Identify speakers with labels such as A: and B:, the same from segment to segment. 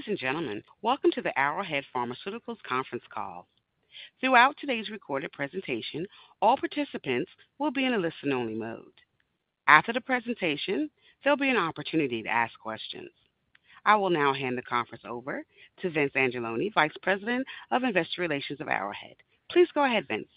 A: Ladies and gentlemen, welcome to the Arrowhead Pharmaceuticals conference call. Throughout today's recorded presentation, all participants will be in a listen-only mode. After the presentation, there'll be an opportunity to ask questions. I will now hand the conference over to Vince Anzalone, Vice President of Investor Relations of Arrowhead. Please go ahead, Vince.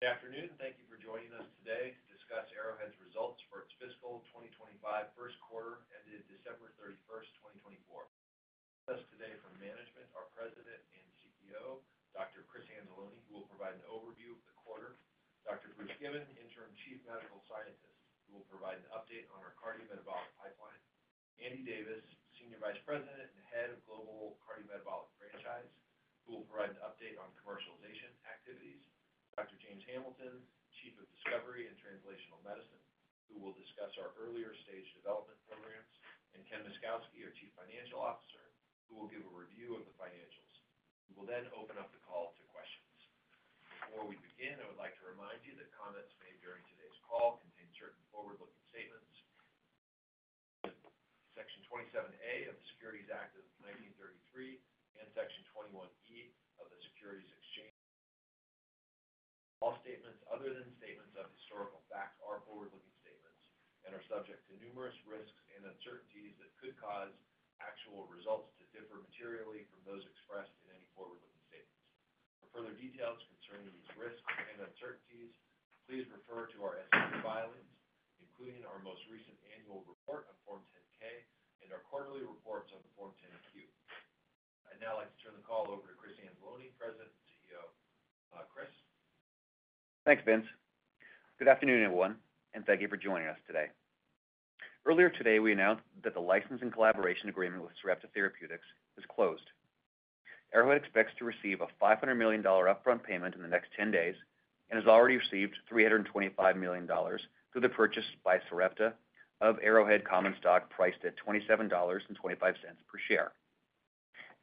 B: Good afternoon. Thank you for joining us today to discuss Arrowhead's results for its fiscal 2025 first quarter ended December 31st, 2024. With us today from management are President and CEO, Dr. Chris Anzalone, who will provide an overview of the quarter, Dr. Bruce Given, Interim Chief Medical Scientist, who will provide an update on our cardiometabolic pipeline, Andy Davis, Senior Vice President and Head of Global Cardiometabolic Franchise, who will provide an update on commercialization activities, Dr. James Hamilton, Chief of Discovery and Translational Medicine, who will discuss our earlier stage development programs, and Ken Myszkowski, our Chief Financial Officer, who will give a review of the financials. We will then open up the call to questions. Before we begin, I would like to remind you that comments made during today's call contain certain forward-looking statements such as Section 27A of the Securities Act of 1933 and Section 21E of the Securities Exchange Act of 1934. All statements other than statements of historical fact are forward-looking statements and are subject to numerous risks and uncertainties that could cause actual results to differ materially from those expressed in any forward-looking statements. For further details concerning these risks and uncertainties, please refer to our SEC filings, including our most recent annual report on Form 10-K and our quarterly reports on Form 10-Q. I'd now like to turn the call over to Chris Anzalone, President and CEO. Chris.
C: Thanks, Vince. Good afternoon, everyone, and thank you for joining us today. Earlier today, we announced that the licensing collaboration agreement with Sarepta Therapeutics is closed. Arrowhead expects to receive a $500 million upfront payment in the next 10 days and has already received $325 million through the purchase by Sarepta of Arrowhead common stock priced at $27.25 per share.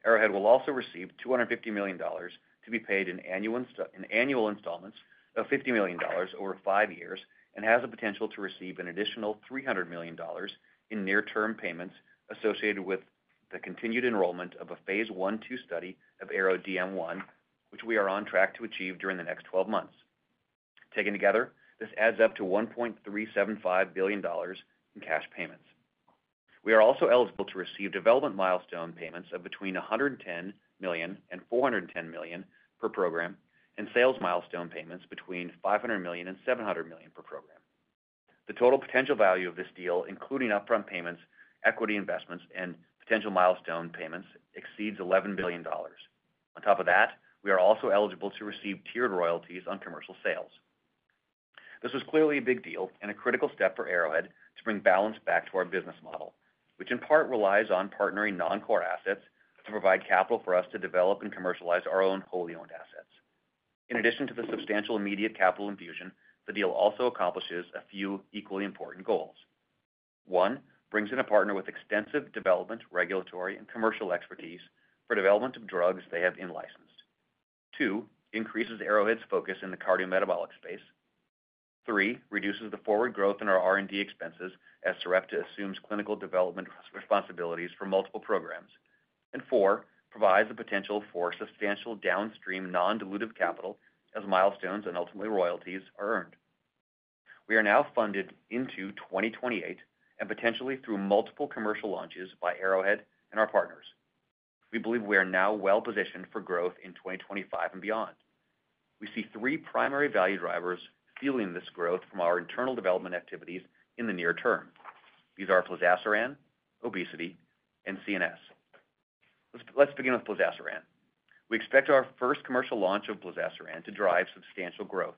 C: Arrowhead will also receive $250 million to be paid in annual installments of $50 million over five years and has the potential to receive an additional $300 million in near-term payments associated with the continued enrollment of a phase I-II study of ARO-DM1, which we are on track to achieve during the next 12 months. Taken together, this adds up to $1.375 billion in cash payments. We are also eligible to receive development milestone payments of between $110 million and $410 million per program and sales milestone payments between $500 million and $700 million per program. The total potential value of this deal, including upfront payments, equity investments, and potential milestone payments, exceeds $11 billion. On top of that, we are also eligible to receive tiered royalties on commercial sales. This was clearly a big deal and a critical step for Arrowhead to bring balance back to our business model, which in part relies on partnering non-core assets to provide capital for us to develop and commercialize our own wholly owned assets. In addition to the substantial immediate capital infusion, the deal also accomplishes a few equally important goals. One, brings in a partner with extensive development, regulatory, and commercial expertise for development of drugs they have in-licensed. Two, increases Arrowhead's focus in the cardiometabolic space. Three, reduces the forward growth in our R&D expenses as Sarepta assumes clinical development responsibilities for multiple programs. And four, provides the potential for substantial downstream non-dilutive capital as milestones and ultimately royalties are earned. We are now funded into 2028 and potentially through multiple commercial launches by Arrowhead and our partners. We believe we are now well-positioned for growth in 2025 and beyond. We see three primary value drivers fueling this growth from our internal development activities in the near term. These are Plozasiran, obesity, and CNS. Let's begin with Plozasiran. We expect our first commercial launch of Plozasiran to drive substantial growth.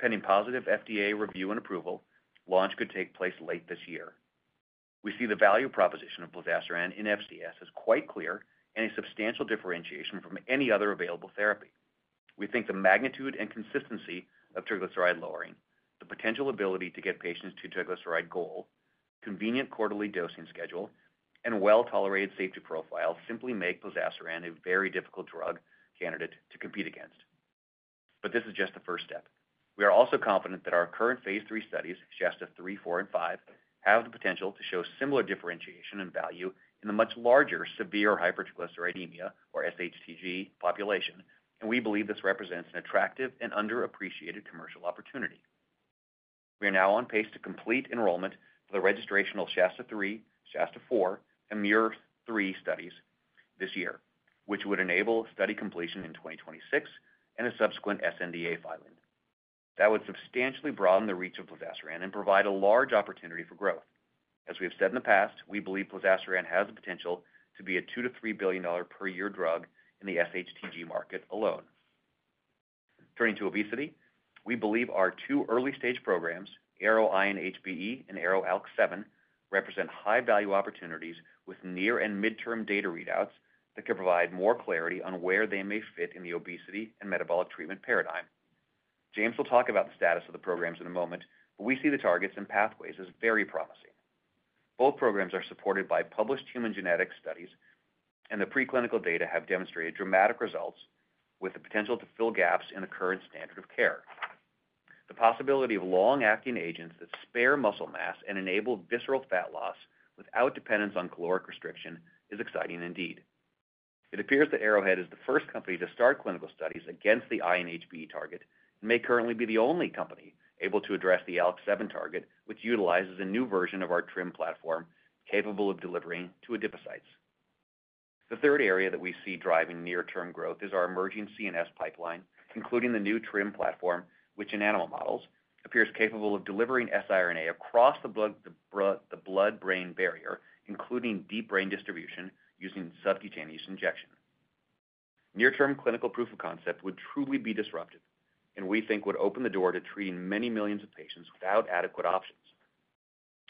C: Pending positive FDA review and approval, launch could take place late this year. We see the value proposition of Plozasiran in FCS is quite clear and a substantial differentiation from any other available therapy. We think the magnitude and consistency of triglyceride lowering, the potential ability to get patients to triglyceride goal, convenient quarterly dosing schedule, and well-tolerated safety profile simply make Plozasiran a very difficult drug candidate to compete against. But this is just the first step. We are also confident that our current phase III studies, SHASTA-3, 4, and 5, have the potential to show similar differentiation and value in the much larger severe hypertriglyceridemia, or SHTG, population, and we believe this represents an attractive and underappreciated commercial opportunity. We are now on pace to complete enrollment for the registrational SHASTA-3, SHASTA 4, and MUIR-3 studies this year, which would enable study completion in 2026 and a subsequent sNDA filing. That would substantially broaden the reach of Plozasiran and provide a large opportunity for growth. As we have said in the past, we believe Plozasiran has the potential to be a $2-$3 billion per year drug in the SHTG market alone. Turning to obesity, we believe our two early-stage programs, ARO-INHBE and ARO-ALK7, represent high-value opportunities with near and midterm data readouts that could provide more clarity on where they may fit in the obesity and metabolic treatment paradigm. James will talk about the status of the programs in a moment, but we see the targets and pathways as very promising. Both programs are supported by published human genetic studies, and the preclinical data have demonstrated dramatic results with the potential to fill gaps in the current standard of care. The possibility of long-acting agents that spare muscle mass and enable visceral fat loss without dependence on caloric restriction is exciting indeed. It appears that Arrowhead is the first company to start clinical studies against the INHBE target and may currently be the only company able to address the ALK7 target, which utilizes a new version of our TRiM platform capable of delivering to adipocytes. The third area that we see driving near-term growth is our emerging CNS pipeline, including the new TRiM platform, which in animal models appears capable of delivering siRNA across the blood-brain barrier, including deep brain distribution using subcutaneous injection. Near-term clinical proof of concept would truly be disruptive, and we think would open the door to treating many millions of patients without adequate options.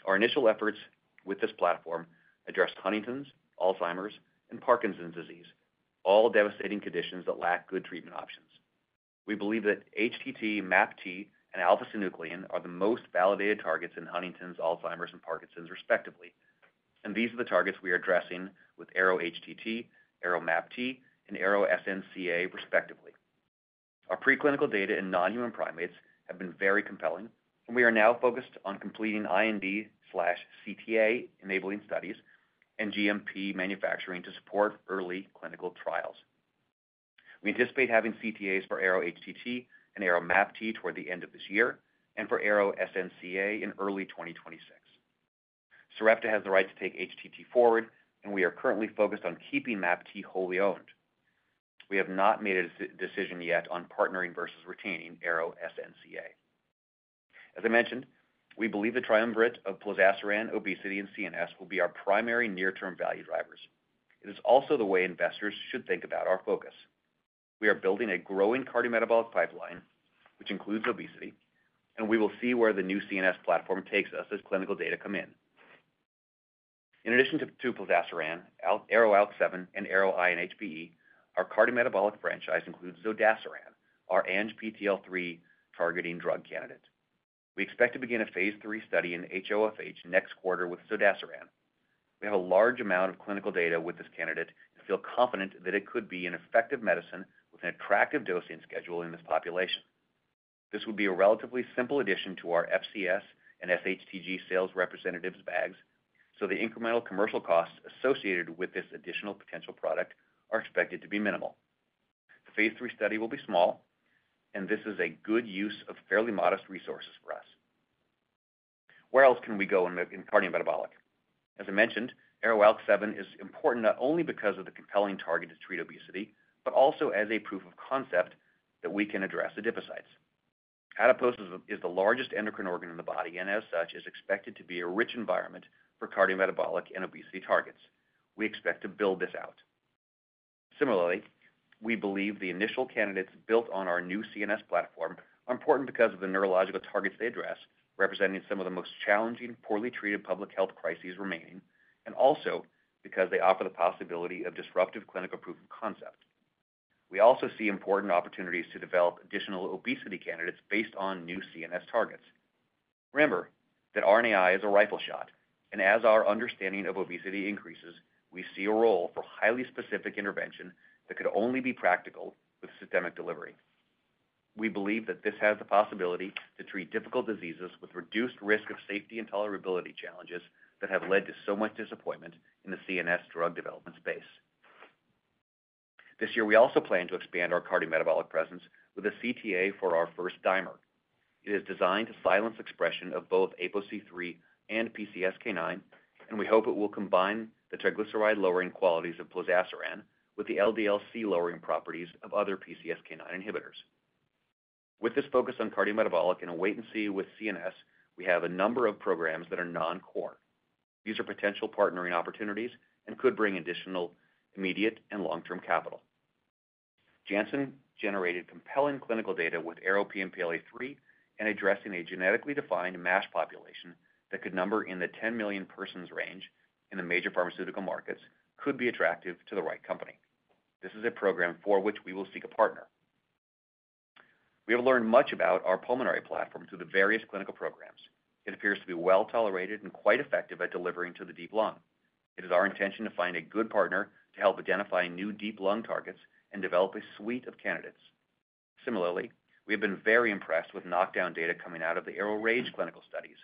C: Our initial efforts with this platform address Huntington's, Alzheimer's, and Parkinson's disease, all devastating conditions that lack good treatment options. We believe that HTT, MAPT, and alpha-synuclein are the most validated targets in Huntington's, Alzheimer's, and Parkinson's, respectively, and these are the targets we are addressing with ARO-HTT, ARO-MAPT, and ARO-SNCA, respectively. Our preclinical data in non-human primates have been very compelling, and we are now focused on completing IND/CTA-enabling studies and GMP manufacturing to support early clinical trials. We anticipate having CTAs for ARO-HTT and ARO-MAPT toward the end of this year and for ARO-SNCA in early 2026. Sarepta has the right to take HTT forward, and we are currently focused on keeping MAPT wholly owned. We have not made a decision yet on partnering versus retaining ARO-SNCA. As I mentioned, we believe the triumvirate of Plozasiran, obesity, and CNS will be our primary near-term value drivers. It is also the way investors should think about our focus. We are building a growing cardiometabolic pipeline, which includes obesity, and we will see where the new CNS platform takes us as clinical data come in. In addition to Plozasiran, ARO-ALK7, and ARO-INHBE, our cardiometabolic franchise includes Zodasiran, our ANGPTL3 targeting drug candidate. We expect to begin a phase 3 study in HoFH next quarter with Zodasiran. We have a large amount of clinical data with this candidate and feel confident that it could be an effective medicine with an attractive dosing schedule in this population. This would be a relatively simple addition to our FCS and SHTG sales representatives' bags, so the incremental commercial costs associated with this additional potential product are expected to be minimal. The phase 3 study will be small, and this is a good use of fairly modest resources for us. Where else can we go in cardiometabolic? As I mentioned, ARO-ALK7 is important not only because of the compelling target to treat obesity, but also as a proof of concept that we can address adipocytes. Adipose is the largest endocrine organ in the body and, as such, is expected to be a rich environment for cardiometabolic and obesity targets. We expect to build this out. Similarly, we believe the initial candidates built on our new CNS platform are important because of the neurological targets they address, representing some of the most challenging, poorly treated public health crises remaining, and also because they offer the possibility of disruptive clinical proof of concept. We also see important opportunities to develop additional obesity candidates based on new CNS targets. Remember that RNAi is a rifle shot, and as our understanding of obesity increases, we see a role for highly specific intervention that could only be practical with systemic delivery. We believe that this has the possibility to treat difficult diseases with reduced risk of safety and tolerability challenges that have led to so much disappointment in the CNS drug development space. This year, we also plan to expand our cardiometabolic presence with a CTA for our first dimer. It is designed to silence expression of both ApoC3 and PCSK9, and we hope it will combine the triglyceride-lowering qualities of Plozasiran with the LDL-C-lowering properties of other PCSK9 inhibitors. With this focus on cardiometabolic and a wait-and-see with CNS, we have a number of programs that are non-core. These are potential partnering opportunities and could bring additional immediate and long-term capital. Janssen generated compelling clinical data with ARO-PNPLA3, and addressing a genetically defined MASH population that could number in the 10 million persons range in the major pharmaceutical markets could be attractive to the right company. This is a program for which we will seek a partner. We have learned much about our pulmonary platform through the various clinical programs. It appears to be well-tolerated and quite effective at delivering to the deep lung. It is our intention to find a good partner to help identify new deep lung targets and develop a suite of candidates. Similarly, we have been very impressed with knockdown data coming out of the ARO-RAGE clinical studies,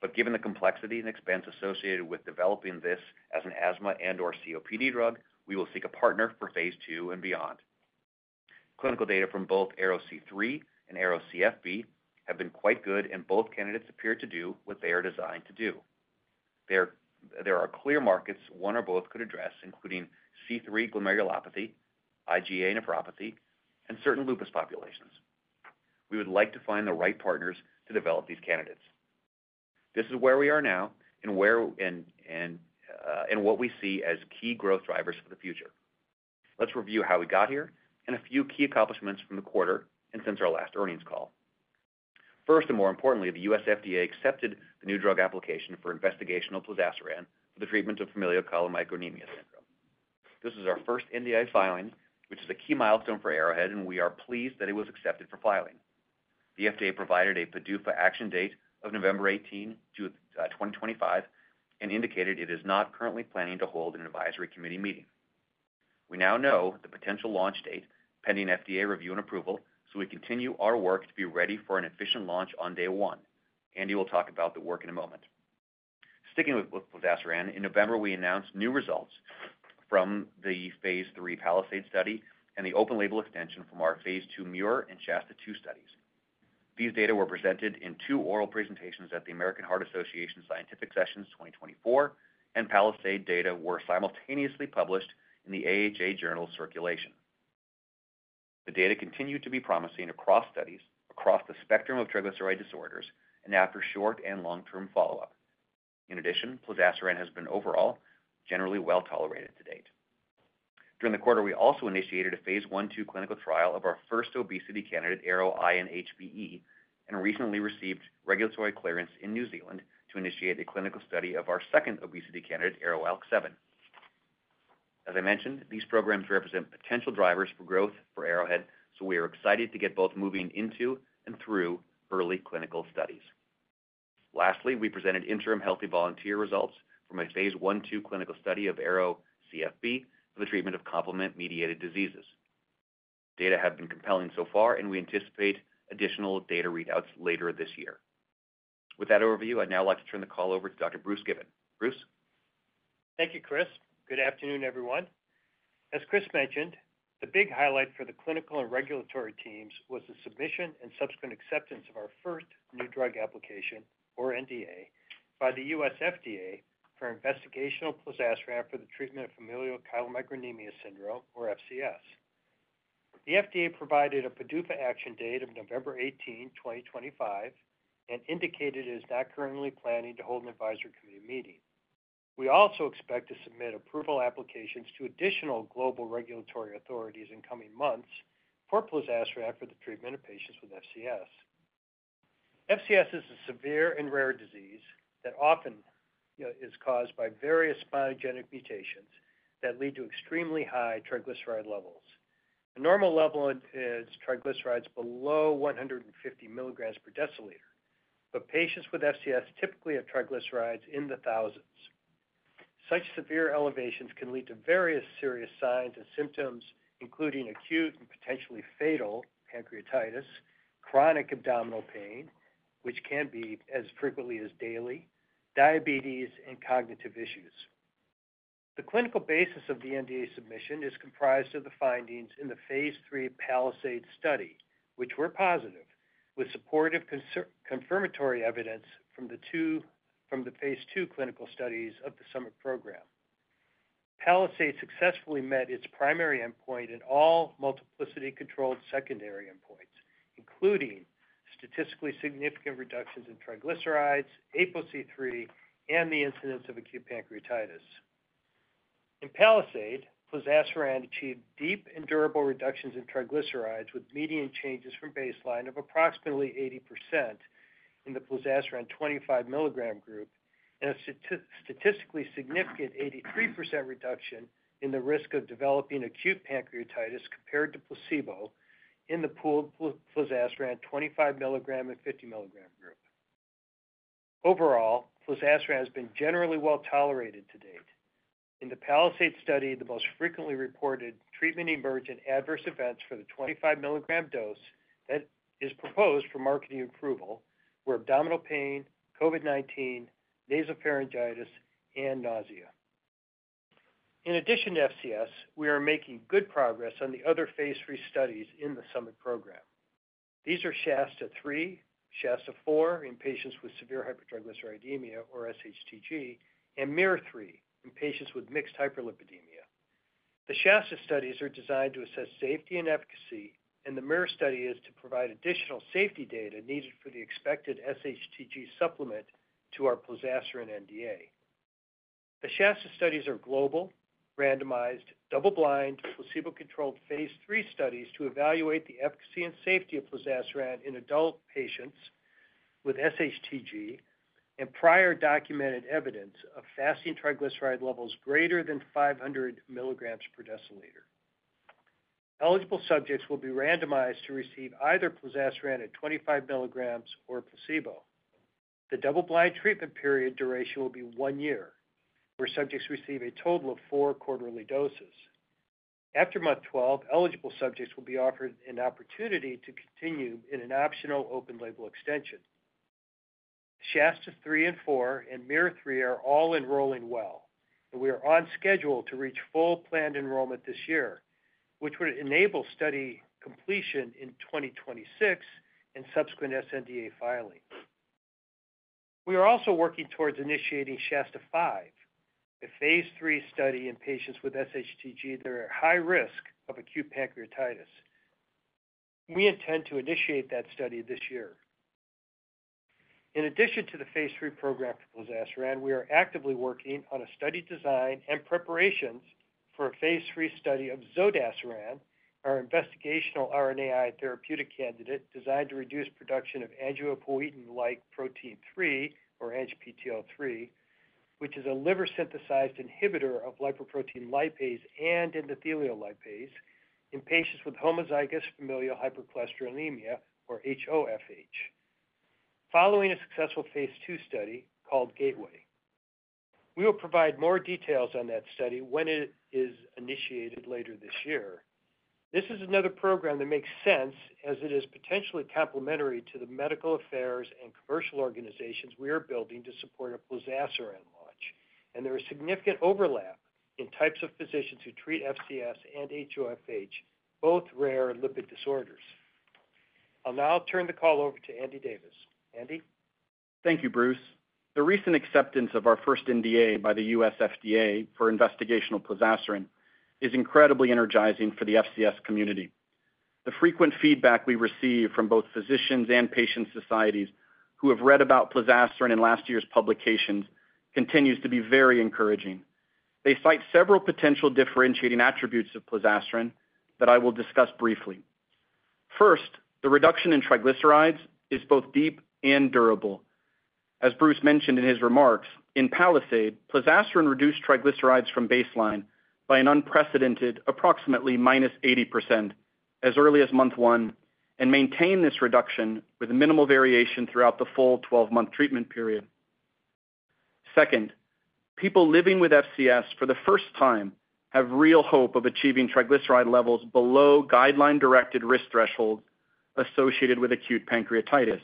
C: but given the complexity and expense associated with developing this as an asthma and/or COPD drug, we will seek a partner for phase 2 and beyond. Clinical data from both ARO-C3 and ARO-CFB have been quite good, and both candidates appear to do what they are designed to do. There are clear markets one or both could address, including C3 glomerulopathy, IgA nephropathy, and certain lupus populations. We would like to find the right partners to develop these candidates. This is where we are now and what we see as key growth drivers for the future. Let's review how we got here and a few key accomplishments from the quarter and since our last earnings call. First, and more importantly, the U.S. FDA accepted the new drug application for investigational Plozasiran for the treatment of familial chylomicronemia syndrome. This is our first NDA filing, which is a key milestone for Arrowhead, and we are pleased that it was accepted for filing. The FDA provided a PDUFA action date of November 18, 2025, and indicated it is not currently planning to hold an advisory committee meeting. We now know the potential launch date, pending FDA review and approval, so we continue our work to be ready for an efficient launch on day one. Andy will talk about the work in a moment. Sticking with Plozasiran, in November, we announced new results from the phase 3 PALISADE study and the open-label extension from our phase 2 MUIR and SHASTA-2 studies. These data were presented in two oral presentations at the American Heart Association Scientific Sessions 2024, and PALISADE data were simultaneously published in the AHA Journal Circulation. The data continued to be promising across studies, across the spectrum of triglyceride disorders, and after short and long-term follow-up. In addition, Plozasiran has been overall generally well-tolerated to date. During the quarter, we also initiated a phase 1-2 clinical trial of our first obesity candidate, ARO-INHBE, and recently received regulatory clearance in New Zealand to initiate a clinical study of our second obesity candidate, ARO-ALK7. As I mentioned, these programs represent potential drivers for growth for Arrowhead, so we are excited to get both moving into and through early clinical studies. Lastly, we presented interim healthy volunteer results from a phase 1-2 clinical study of ARO-CFB for the treatment of complement-mediated diseases. Data have been compelling so far, and we anticipate additional data readouts later this year. With that overview, I'd now like to turn the call over to Dr. Bruce Given. Bruce.
D: Thank you, Chris. Good afternoon, everyone. As Chris mentioned, the big highlight for the clinical and regulatory teams was the submission and subsequent acceptance of our first new drug application, or NDA, by the U.S. FDA for investigational Plozasiran for the treatment of familial chylomicronemia syndrome, or FCS. The FDA provided a PDUFA action date of November 18, 2025, and indicated it is not currently planning to hold an advisory committee meeting. We also expect to submit approval applications to additional global regulatory authorities in coming months for Plozasiran for the treatment of patients with FCS. FCS is a severe and rare disease that often is caused by various biallelic genetic mutations that lead to extremely high triglyceride levels. A normal level is triglycerides below 150 milligrams per deciliter, but patients with FCS typically have triglycerides in the thousands. Such severe elevations can lead to various serious signs and symptoms, including acute and potentially fatal pancreatitis, chronic abdominal pain, which can be as frequently as daily, diabetes, and cognitive issues. The clinical basis of the NDA submission is comprised of the findings in the phase 3 PALISADE study, which were positive, with supportive confirmatory evidence from the phase 2 clinical studies of the SUMMER program. PALISADE successfully met its primary endpoint and all multiplicity-controlled secondary endpoints, including statistically significant reductions in triglycerides, ApoC3, and the incidence of acute pancreatitis. In PALISADE, Plozasiran achieved deep and durable reductions in triglycerides with median changes from baseline of approximately 80% in the Plozasiran 25 milligram group and a statistically significant 83% reduction in the risk of developing acute pancreatitis compared to placebo in the pooled Plozasiran 25 milligram and 50 milligram group. Overall, Plozasiran has been generally well-tolerated to date. In the PALISADE study, the most frequently reported treatment emergent adverse events for the 25 milligram dose that is proposed for marketing approval were abdominal pain, COVID-19, nasopharyngitis, and nausea. In addition to FCS, we are making good progress on the other phase 3 studies in the summer program. These are SHASTA-3, SHASTA-4 in patients with severe hypertriglyceridemia, or SHTG, and MUIR-3 in patients with mixed hyperlipidemia. The SHASTA studies are designed to assess safety and efficacy, and the MUIR study is to provide additional safety data needed for the expected SHTG supplement to our Plozasiran NDA. The SHASTA studies are global, randomized, double-blind, placebo-controlled phase 3 studies to evaluate the efficacy and safety of Plozasiran in adult patients with SHTG and prior documented evidence of fasting triglyceride levels greater than 500 milligrams per deciliter. Eligible subjects will be randomized to receive either Plozasiran at 25 milligrams or placebo. The double-blind treatment period duration will be one year where subjects receive a total of four quarterly doses. After month 12, eligible subjects will be offered an opportunity to continue in an optional open-label extension. SHASTA 3 and 4 and MUIR-3 are all enrolling well, and we are on schedule to reach full planned enrollment this year, which would enable study completion in 2026 and subsequent sNDA filing. We are also working towards initiating SHASTA 5, a phase 3 study in patients with SHTG that are at high risk of acute pancreatitis. We intend to initiate that study this year. In addition to the phase 3 program for Plozasiran, we are actively working on a study design and preparations for a phase 3 study of Zodasiran, our investigational RNAi therapeutic candidate designed to reduce production of angiopoietin-like protein 3, or ANGPTL3, which is a liver-synthesized inhibitor of lipoprotein lipase and endothelial lipase in patients with homozygous familial hypercholesterolemia, or HOFH, following a successful phase II study called GATEWAY. We will provide more details on that study when it is initiated later this year. This is another program that makes sense as it is potentially complementary to the medical affairs and commercial organizations we are building to support a Plozasiran launch, and there is significant overlap in types of physicians who treat FCS and HOFH, both rare lipid disorders. I'll now turn the call over to Andy Davis. Andy?
E: Thank you, Bruce. The recent acceptance of our first NDA by the U.S. FDA for investigational Plozasiran is incredibly energizing for the FCS community. The frequent feedback we receive from both physicians and patient societies who have read about Plozasiran in last year's publications continues to be very encouraging. They cite several potential differentiating attributes of Plozasiran that I will discuss briefly. First, the reduction in triglycerides is both deep and durable. As Bruce mentioned in his remarks, in PALISADE, Plozasiran reduced triglycerides from baseline by an unprecedented approximately -80% as early as month one and maintained this reduction with minimal variation throughout the full 12-month treatment period. Second, people living with FCS for the first time have real hope of achieving triglyceride levels below guideline-directed risk thresholds associated with acute pancreatitis,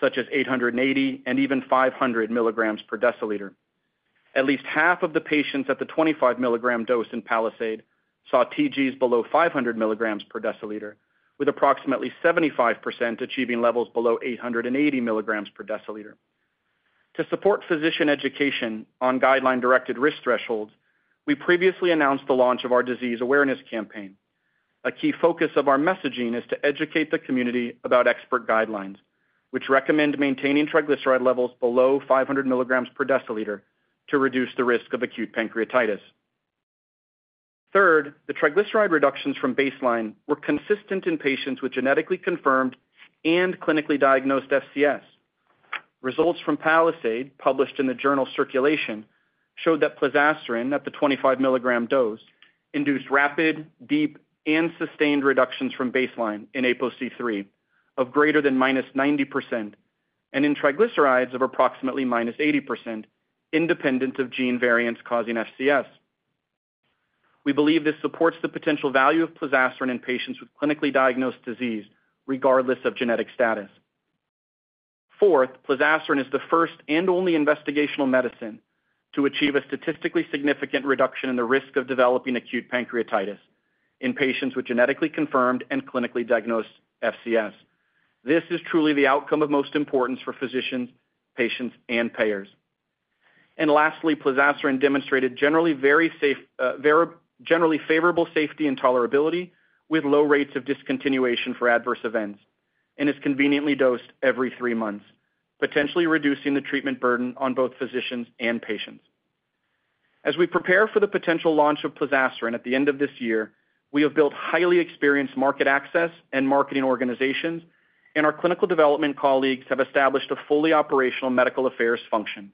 E: such as 880 and even 500 milligrams per deciliter. At least half of the patients at the 25 milligram dose in PALISADE saw TGs below 500 milligrams per deciliter, with approximately 75% achieving levels below 880 milligrams per deciliter. To support physician education on guideline-directed risk thresholds, we previously announced the launch of our disease awareness campaign. A key focus of our messaging is to educate the community about expert guidelines, which recommend maintaining triglyceride levels below 500 milligrams per deciliter to reduce the risk of acute pancreatitis. Third, the triglyceride reductions from baseline were consistent in patients with genetically confirmed and clinically diagnosed FCS. Results from PALISADE published in the journal Circulation showed that Plozasiran at the 25 milligram dose induced rapid, deep, and sustained reductions from baseline in ApoC3 of greater than minus 90% and in triglycerides of approximately minus 80%, independent of gene variants causing FCS. We believe this supports the potential value of Plozasiran in patients with clinically diagnosed disease, regardless of genetic status. Fourth, Plozasiran is the first and only investigational medicine to achieve a statistically significant reduction in the risk of developing acute pancreatitis in patients with genetically confirmed and clinically diagnosed FCS. This is truly the outcome of most importance for physicians, patients, and payers. And lastly, Plozasiran demonstrated generally favorable safety and tolerability with low rates of discontinuation for adverse events and is conveniently dosed every three months, potentially reducing the treatment burden on both physicians and patients. As we prepare for the potential launch of Plozasiran at the end of this year, we have built highly experienced market access and marketing organizations, and our clinical development colleagues have established a fully operational medical affairs function.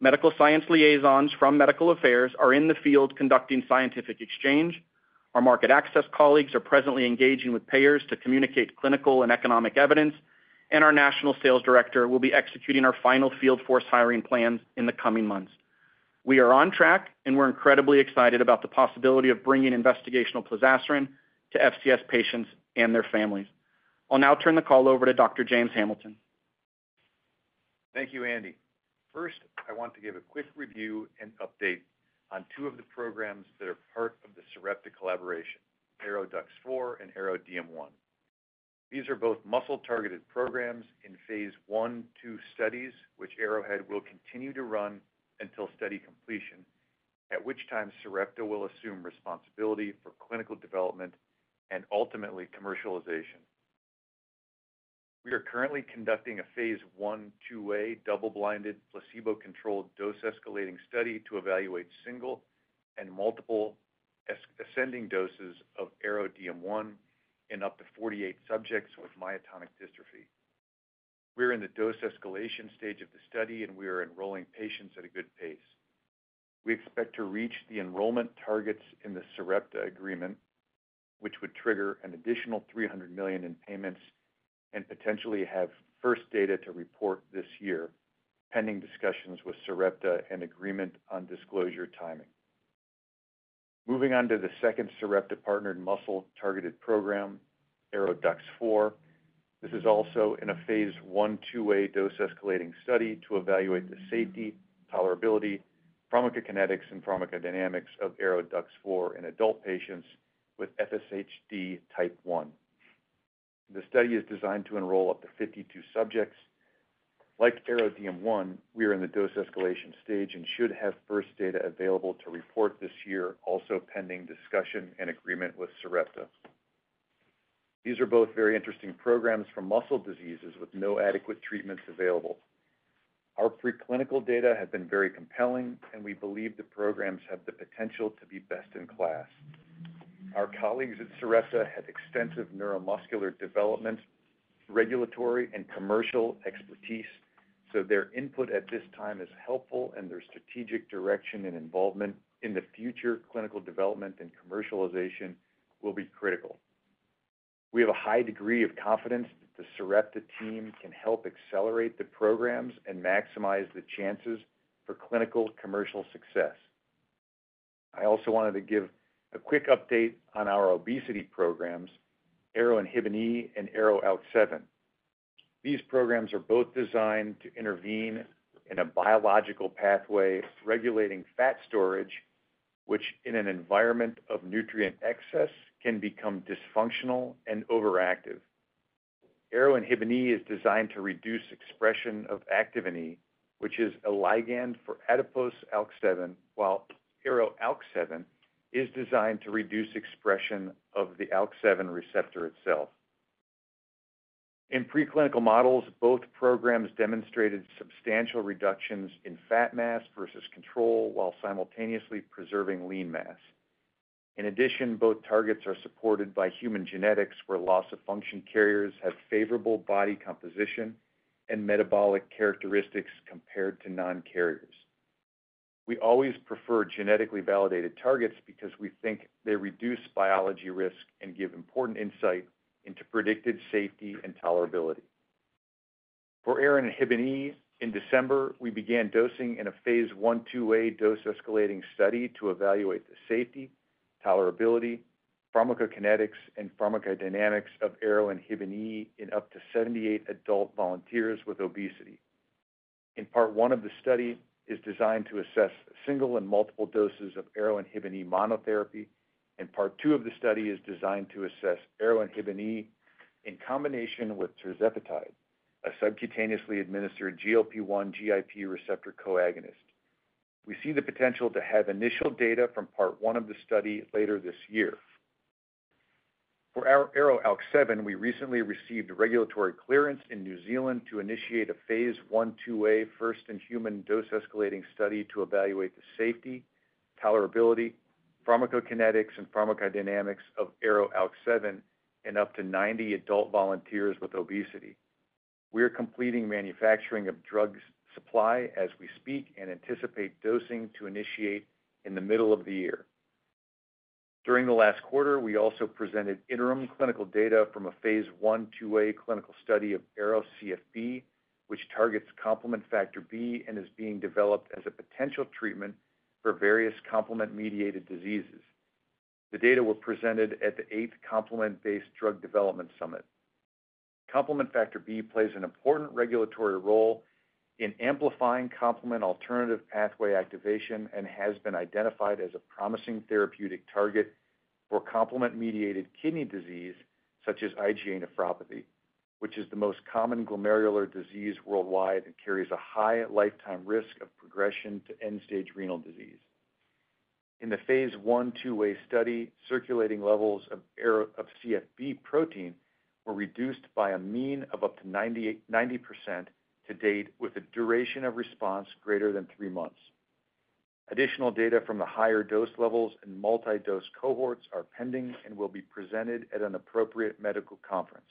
E: Medical science liaisons from medical affairs are in the field conducting scientific exchange. Our market access colleagues are presently engaging with payers to communicate clinical and economic evidence, and our national sales director will be executing our final field force hiring plans in the coming months. We are on track, and we're incredibly excited about the possibility of bringing investigational Plozasiran to FCS patients and their families. I'll now turn the call over to Dr. James Hamilton.
F: Thank you, Andy. First, I want to give a quick review and update on two of the programs that are part of the Sarepta collaboration, ARO-DUX4 and ARO-DM1. These are both muscle-targeted programs in phase 1-2 studies, which Arrowhead will continue to run until study completion, at which time Sarepta will assume responsibility for clinical development and ultimately commercialization. We are currently conducting a phase 1-2A double-blinded placebo-controlled dose-escalating study to evaluate single and multiple ascending doses of ARO-DM1 in up to 48 subjects with myotonic dystrophy. We're in the dose-escalation stage of the study, and we are enrolling patients at a good pace. We expect to reach the enrollment targets in the Sarepta agreement, which would trigger an additional $300 million in payments and potentially have first data to report this year, pending discussions with Sarepta and agreement on disclosure timing. Moving on to the second Sarepta-partnered muscle-targeted program, ARO-DUX4. This is also in a phase 1-2A dose-escalating study to evaluate the safety, tolerability, pharmacokinetics, and pharmacodynamics of ARO-DUX4 in adult patients with FSHD type one. The study is designed to enroll up to 52 subjects. Like ARO-DM1, we are in the dose-escalation stage and should have first data available to report this year, also pending discussion and agreement with Sarepta. These are both very interesting programs for muscle diseases with no adequate treatments available. Our preclinical data have been very compelling, and we believe the programs have the potential to be best in class. Our colleagues at Sarepta have extensive neuromuscular development, regulatory, and commercial expertise, so their input at this time is helpful, and their strategic direction and involvement in the future clinical development and commercialization will be critical. We have a high degree of confidence that the Sarepta team can help accelerate the programs and maximize the chances for clinical commercial success. I also wanted to give a quick update on our obesity programs, ARO-INHBE and ARO-ALK7. These programs are both designed to intervene in a biological pathway regulating fat storage, which in an environment of nutrient excess can become dysfunctional and overactive. ARO-INHBE is designed to reduce expression of Activin E, which is a ligand for adipose ALK7, while ARO-ALK7 is designed to reduce expression of the ALK7 receptor itself. In preclinical models, both programs demonstrated substantial reductions in fat mass versus control while simultaneously preserving lean mass. In addition, both targets are supported by human genetics, where loss of function carriers have favorable body composition and metabolic characteristics compared to non-carriers. We always prefer genetically validated targets because we think they reduce biology risk and give important insight into predicted safety and tolerability. For ARO-INHBE, in December, we began dosing in a phase 1-2A dose-escalating study to evaluate the safety, tolerability, pharmacokinetics, and pharmacodynamics of ARO-INHBE in up to 78 adult volunteers with obesity. In part one of the study is designed to assess single and multiple doses of ARO-INHBE monotherapy, and part two of the study is designed to assess ARO-INHBE in combination with tirzepatide, a subcutaneously administered GLP-1/GIP receptor co-agonist. We see the potential to have initial data from part one of the study later this year. For ARO-ALK7, we recently received regulatory clearance in New Zealand to initiate a phase 1-2A first in human dose-escalating study to evaluate the safety, tolerability, pharmacokinetics, and pharmacodynamics of ARO-ALK7 in up to 90 adult volunteers with obesity. We are completing manufacturing of drug supply as we speak and anticipate dosing to initiate in the middle of the year. During the last quarter, we also presented interim clinical data from a phase 1-2A clinical study of ARO-CFB, which targets complement factor B and is being developed as a potential treatment for various complement-mediated diseases. The data were presented at the 8th Complement-Based Drug Development Summit. Complement factor B plays an important regulatory role in amplifying complement alternative pathway activation and has been identified as a promising therapeutic target for complement-mediated kidney disease, such as IgA nephropathy, which is the most common glomerular disease worldwide and carries a high lifetime risk of progression to end-stage renal disease. In the phase 1-2A study, circulating levels of CFB protein were reduced by a mean of up to 90% to date, with a duration of response greater than three months. Additional data from the higher dose levels and multi-dose cohorts are pending and will be presented at an appropriate medical conference.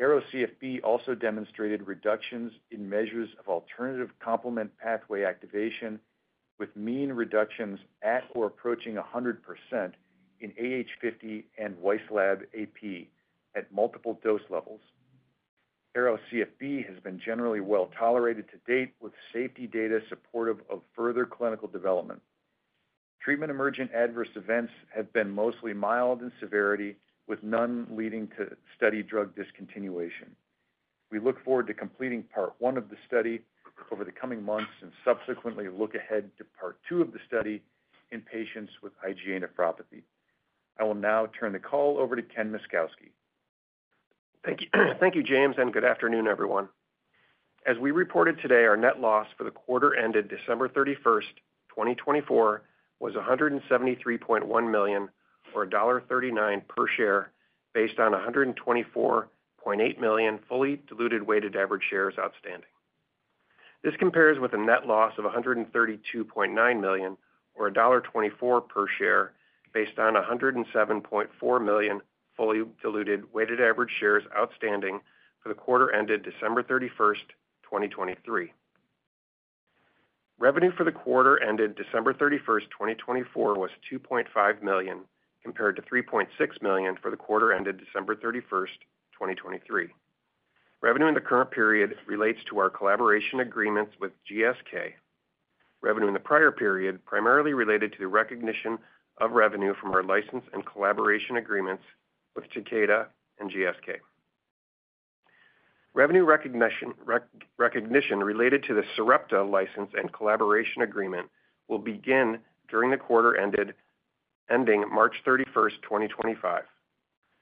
F: ARO-CFB also demonstrated reductions in measures of alternative complement pathway activation, with mean reductions at or approaching 100% in AH50 and Wieslab AP at multiple dose levels. ARO-CFB has been generally well tolerated to date, with safety data supportive of further clinical development. Treatment-emergent adverse events have been mostly mild in severity, with none leading to study drug discontinuation. We look forward to completing part one of the study over the coming months and subsequently look ahead to part two of the study in patients with IgA nephropathy. I will now turn the call over to Ken Myszkowski.
G: Thank you, James, and good afternoon, everyone. As we reported today, our net loss for the quarter ended December 31st, 2024, was $173.1 million, or $1.39 per share, based on 124.8 million fully diluted weighted average shares outstanding. This compares with a net loss of $132.9 million, or $1.24 per share, based on 107.4 million fully diluted weighted average shares outstanding for the quarter ended December 31st, 2023. Revenue for the quarter ended December 31st, 2024, was $2.5 million, compared to $3.6 million for the quarter ended December 31st, 2023. Revenue in the current period relates to our collaboration agreements with GSK. Revenue in the prior period primarily related to the recognition of revenue from our license and collaboration agreements with Takeda and GSK. Revenue recognition related to the Sarepta license and collaboration agreement will begin during the quarter ending March 31st, 2025.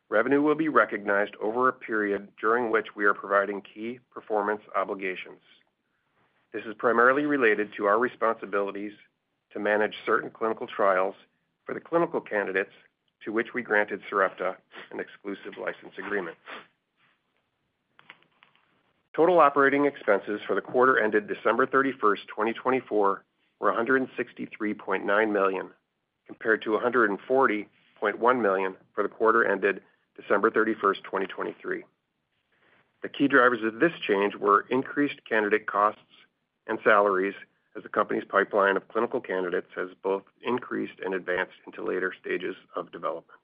G: Revenue will be recognized over a period during which we are providing key performance obligations. This is primarily related to our responsibilities to manage certain clinical trials for the clinical candidates to which we granted Sarepta an exclusive license agreement. Total operating expenses for the quarter ended December 31st, 2024, were $163.9 million, compared to $140.1 million for the quarter ended December 31st, 2023. The key drivers of this change were increased candidate costs and salaries, as the company's pipeline of clinical candidates has both increased and advanced into later stages of development.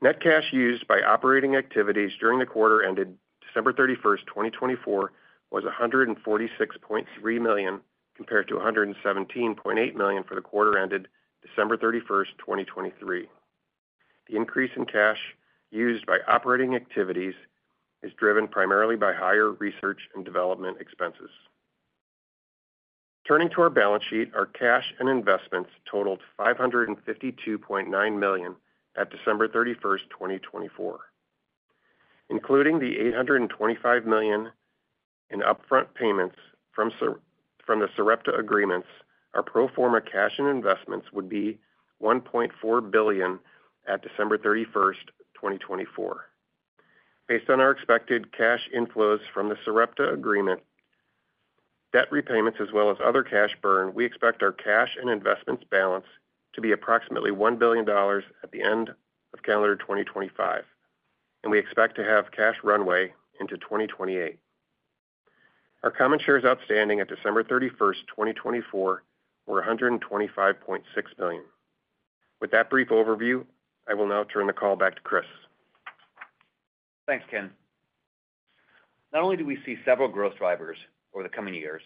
G: Net cash used by operating activities during the quarter ended December 31st, 2024, was $146.3 million, compared to $117.8 million for the quarter ended December 31st, 2023. The increase in cash used by operating activities is driven primarily by higher research and development expenses. Turning to our balance sheet, our cash and investments totaled $552.9 million at December 31st, 2024. Including the $825 million in upfront payments from the Sarepta agreements, our pro forma cash and investments would be $1.4 billion at December 31st, 2024. Based on our expected cash inflows from the Sarepta agreement, debt repayments, as well as other cash burn, we expect our cash and investments balance to be approximately $1 billion at the end of calendar 2025, and we expect to have cash runway into 2028. Our common shares outstanding at December 31st, 2024, were 125.6 million. With that brief overview, I will now turn the call back to Chris.
C: Thanks, Ken. Not only do we see several growth drivers over the coming years,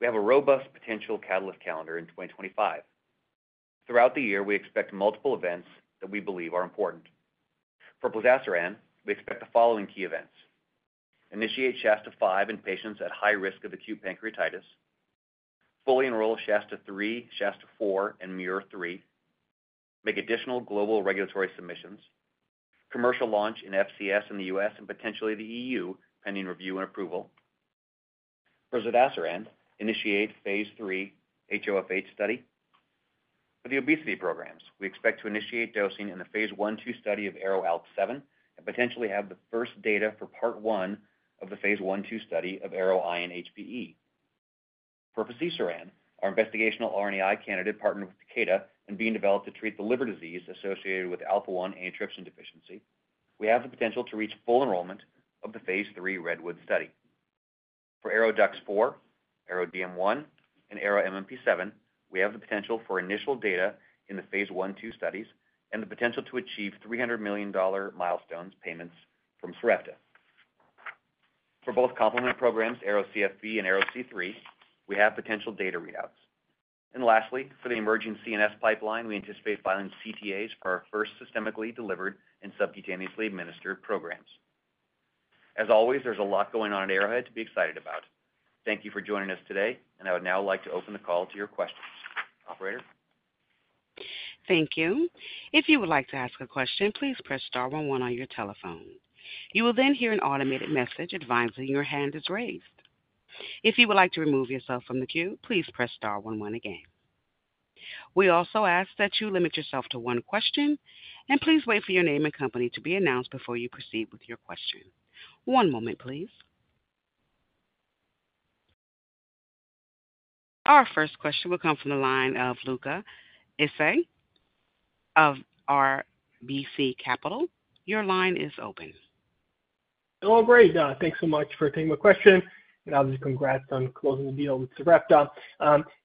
C: we have a robust potential catalyst calendar in 2025. Throughout the year, we expect multiple events that we believe are important. For Plozasiran, we expect the following key events: initiate SHASTA-5 in patients at high risk of acute pancreatitis. Fully enroll SHASTA-3, SHASTA-4, and MUIR-3. Make additional global regulatory submissions. Commercial launch in FCS in the U.S. and potentially the EU, pending review and approval. For Zodasiran, initiate phase 3 HOFH study. For the obesity programs, we expect to initiate dosing in the phase 1-2 study of ARO-ALK7 and potentially have the first data for part one of the phase 1-2 study of ARO-INHBE. For Fazirsiran, our investigational RNAi candidate partnered with Takeda and being developed to treat the liver disease associated with alpha-1 antitrypsin deficiency, we have the potential to reach full enrollment of the phase 3 REDWOOD study. For ARO-DUX4, ARO-DM1, and ARO-MMP7, we have the potential for initial data in the phase 1-2 studies and the potential to achieve $300 million milestone payments from Sarepta. For both complement programs, ARO-CFB and ARO-C3, we have potential data readouts. And lastly, for the emerging CNS pipeline, we anticipate filing CTAs for our first systemically delivered and subcutaneously administered programs. As always, there's a lot going on at Arrowhead to be excited about. Thank you for joining us today, and I would now like to open the call to your questions. Operator.
A: Thank you. If you would like to ask a question, please press star 11 on your telephone. You will then hear an automated message advising your hand is raised. If you would like to remove yourself from the queue, please press star 11 again. We also ask that you limit yourself to one question, and please wait for your name and company to be announced before you proceed with your question. One moment, please. Our first question will come from the line of Luca Issi of RBC Capital Markets. Your line is open.
H: Oh, great. Thanks so much for taking my question, and I'll just congrats on closing the deal with Sarepta.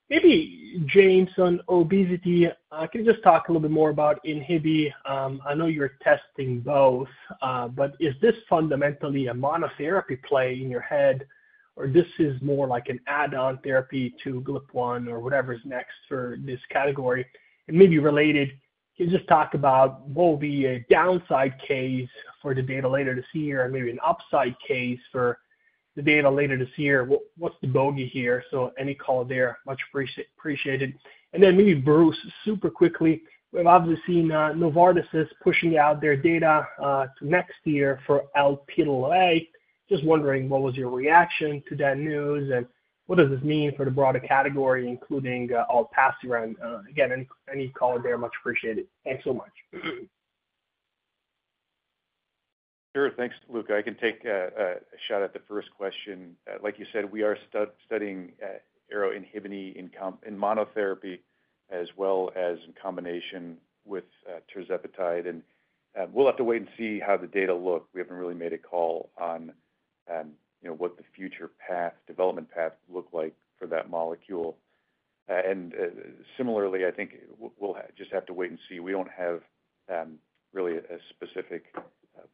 H: Maybe, James, on obesity, can you just talk a little bit more about INHBE? I know you're testing both, but is this fundamentally a monotherapy play in your head, or this is more like an add-on therapy to GLP-1 or whatever's next for this category? And maybe related, can you just talk about what will be a downside case for the data later this year and maybe an upside case for the data later this year? What's the bogey here? So any call there, much appreciated. And then maybe Bruce, super quickly, we've obviously seen Novartis pushing out their data to next year for Lepodisiran. Just wondering what was your reaction to that news and what does this mean for the broader category, including Plozasiran. Again, any call there, much appreciated. Thanks so much.
F: Sure. Thanks, Luca. I can take a shot at the first question. Like you said, we are studying ARO-INHBE in monotherapy as well as in combination with Tirzepatide. And we'll have to wait and see how the data look. We haven't really made a call on what the future development path looked like for that molecule. And similarly, I think we'll just have to wait and see. We don't have really a specific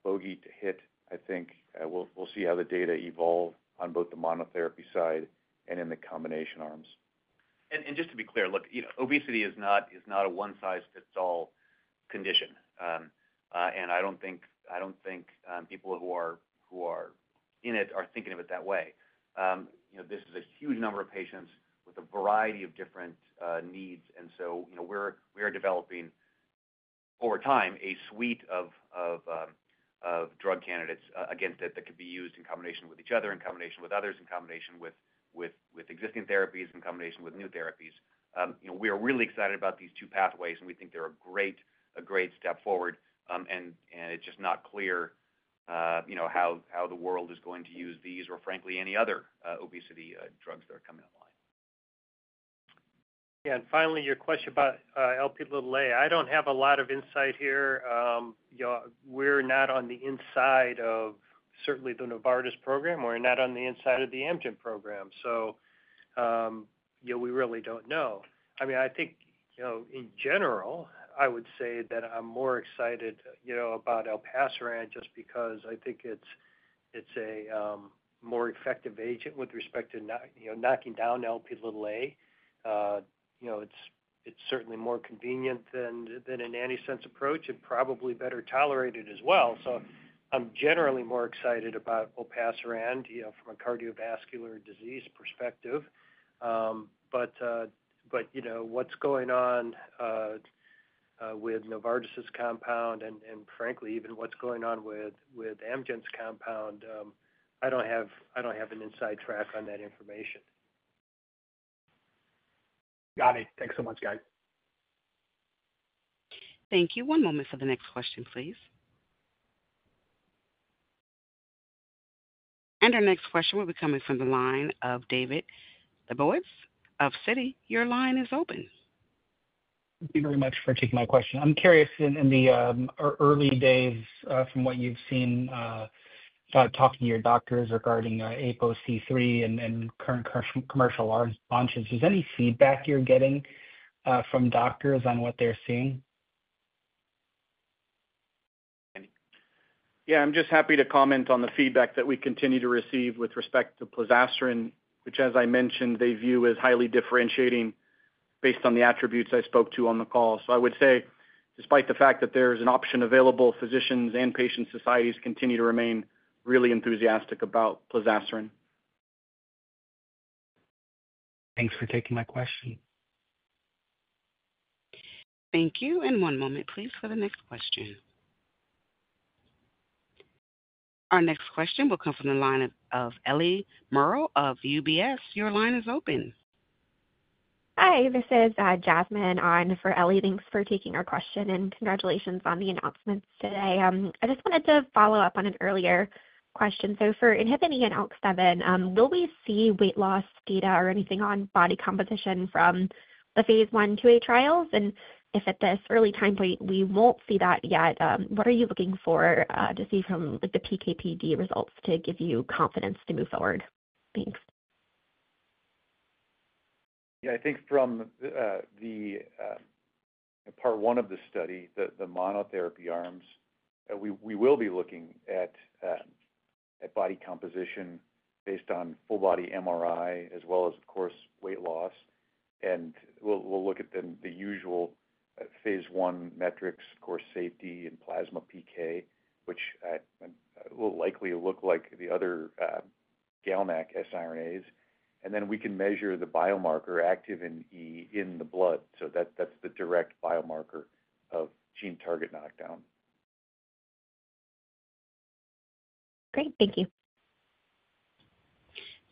F: bogey to hit. I think we'll see how the data evolve on both the monotherapy side and in the combination arms.
C: And just to be clear, look, obesity is not a one-size-fits-all condition, and I don't think people who are in it are thinking of it that way. This is a huge number of patients with a variety of different needs, and so we are developing over time a suite of drug candidates against it that could be used in combination with each other, in combination with others, in combination with existing therapies, in combination with new therapies. We are really excited about these two pathways, and we think they're a great step forward, and it's just not clear how the world is going to use these or, frankly, any other obesity drugs that are coming online.
D: Yeah. And finally, your question about ARO-LPA. I don't have a lot of insight here. We're not on the inside, certainly, of the Novartis program. We're not on the inside of the Amgen program, so we really don't know. I mean, I think in general, I would say that I'm more excited about Lepodisiran just because I think it's a more effective agent with respect to knocking down Lp(a). It's certainly more convenient than an antisense approach and probably better tolerated as well. So I'm generally more excited about Lepodisiran from a cardiovascular disease perspective. But what's going on with Novartis' compound and, frankly, even what's going on with Amgen's compound, I don't have an inside track on that information.
H: Got it. Thanks so much, guys.
A: Thank you. One moment for the next question, please. Our next question will be coming from the line of David Lebowitz of Citi. Your line is open.
I: Thank you very much for taking my question. I'm curious, in the early days from what you've seen talking to your doctors regarding ApoC3 and current commercial launches, is there any feedback you're getting from doctors on what they're seeing?
E: Yeah. I'm just happy to comment on the feedback that we continue to receive with respect to Plozasiran, which, as I mentioned, they view as highly differentiating based on the attributes I spoke to on the call. So I would say, despite the fact that there is an option available, physicians and patient societies continue to remain really enthusiastic about Plozasiran.
I: Thanks for taking my question.
A: Thank you. And one moment, please, for the next question. Our next question will come from the line of Eli Merle of UBS. Your line is open. Hi. This is Jasmine on for Eli. Thanks for taking our question, and congratulations on the announcements today. I just wanted to follow up on an earlier question. So for Activin E and ALK7, will we see weight loss data or anything on body composition from the phase 1-2A trials? And if at this early time point we won't see that yet, what are you looking for to see from the PKPD results to give you confidence to move forward?
F: Thanks. Yeah. I think from the part one of the study, the monotherapy arms, we will be looking at body composition based on full-body MRI, as well as, of course, weight loss. And we'll look at the usual phase 1 metrics, of course, safety and plasma PK, which will likely look like the other GalNAc siRNAs. And then we can measure the biomarker Activin E in the blood. So that's the direct biomarker of gene target knockdown.
A: Great. Thank you.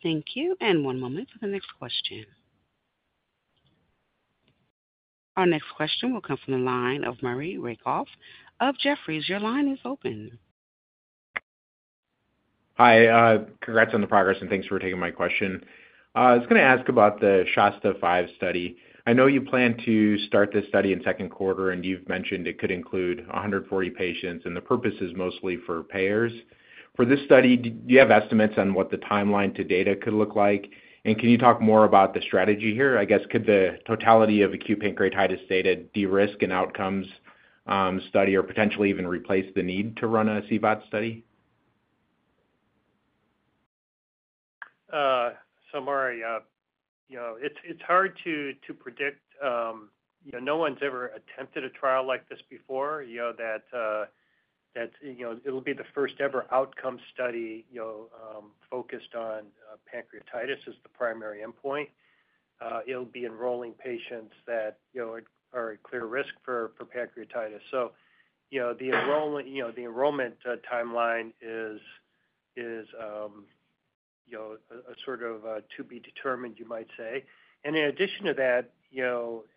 A: Thank you. One moment for the next question. Our next question will come from the line of Maury Raycroft of Jefferies. Your line is open.
J: Hi. Congrats on the progress, and thanks for taking my question. I was going to ask about the SHASTA-5 study. I know you plan to start this study in second quarter, and you've mentioned it could include 140 patients, and the purpose is mostly for payers. For this study, do you have estimates on what the timeline to data could look like? And can you talk more about the strategy here? I guess, could the totality of acute pancreatitis data de-risk an outcomes study or potentially even replace the need to run a CVOT study?
D: So Maury, it's hard to predict. No one's ever attempted a trial like this before, that it'll be the first-ever outcome study focused on pancreatitis as the primary endpoint. It'll be enrolling patients that are at clear risk for pancreatitis. So the enrollment timeline is a sort of to be determined, you might say. And in addition to that,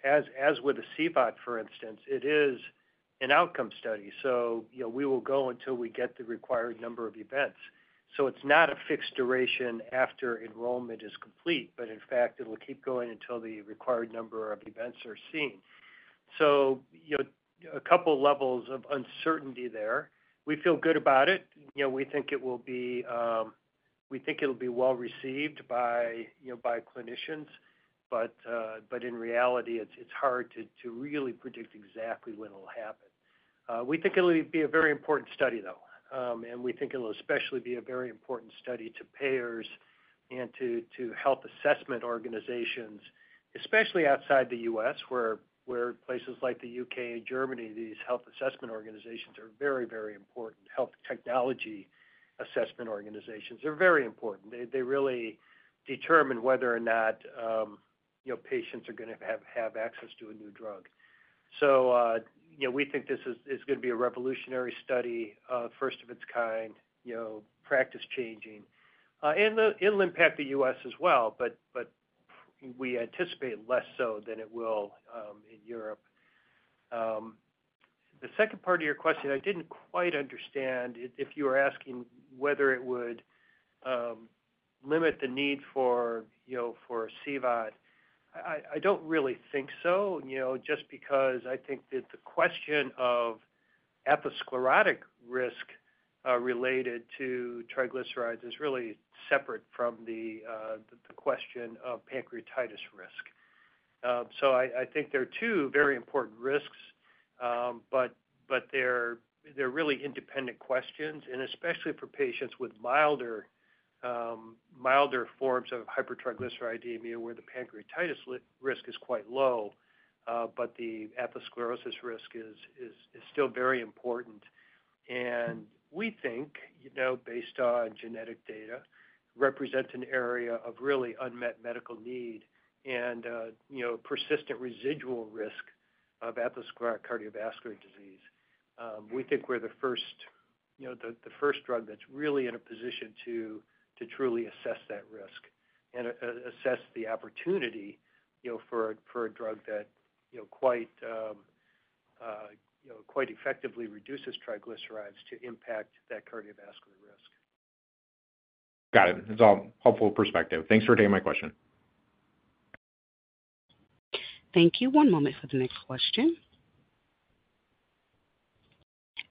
D: as with a CVOT, for instance, it is an outcome study. So we will go until we get the required number of events. So it's not a fixed duration after enrollment is complete, but in fact, it'll keep going until the required number of events are seen. So a couple of levels of uncertainty there. We feel good about it. We think it'll be well received by clinicians, but in reality, it's hard to really predict exactly when it'll happen. We think it'll be a very important study, though, and we think it'll especially be a very important study to payers and to health assessment organizations, especially outside the U.S., where places like the U.K. and Germany, these health assessment organizations are very, very important. Health technology assessment organizations are very important. They really determine whether or not patients are going to have access to a new drug. So we think this is going to be a revolutionary study, first of its kind, practice-changing. And it'll impact the U.S. as well, but we anticipate less so than it will in Europe. The second part of your question, I didn't quite understand if you were asking whether it would limit the need for CVOT. I don't really think so, just because I think that the question of atherosclerotic risk related to triglycerides is really separate from the question of pancreatitis risk. So I think there are two very important risks, but they're really independent questions, and especially for patients with milder forms of hypertriglyceridemia where the pancreatitis risk is quite low, but the atherosclerosis risk is still very important. And we think, based on genetic data, represents an area of really unmet medical need and persistent residual risk of atherosclerotic cardiovascular disease. We think we're the first drug that's really in a position to truly assess that risk and assess the opportunity for a drug that quite effectively reduces triglycerides to impact that cardiovascular risk.
A: Got it. That's all helpful perspective. Thanks for taking my question. Thank you. One moment for the next question.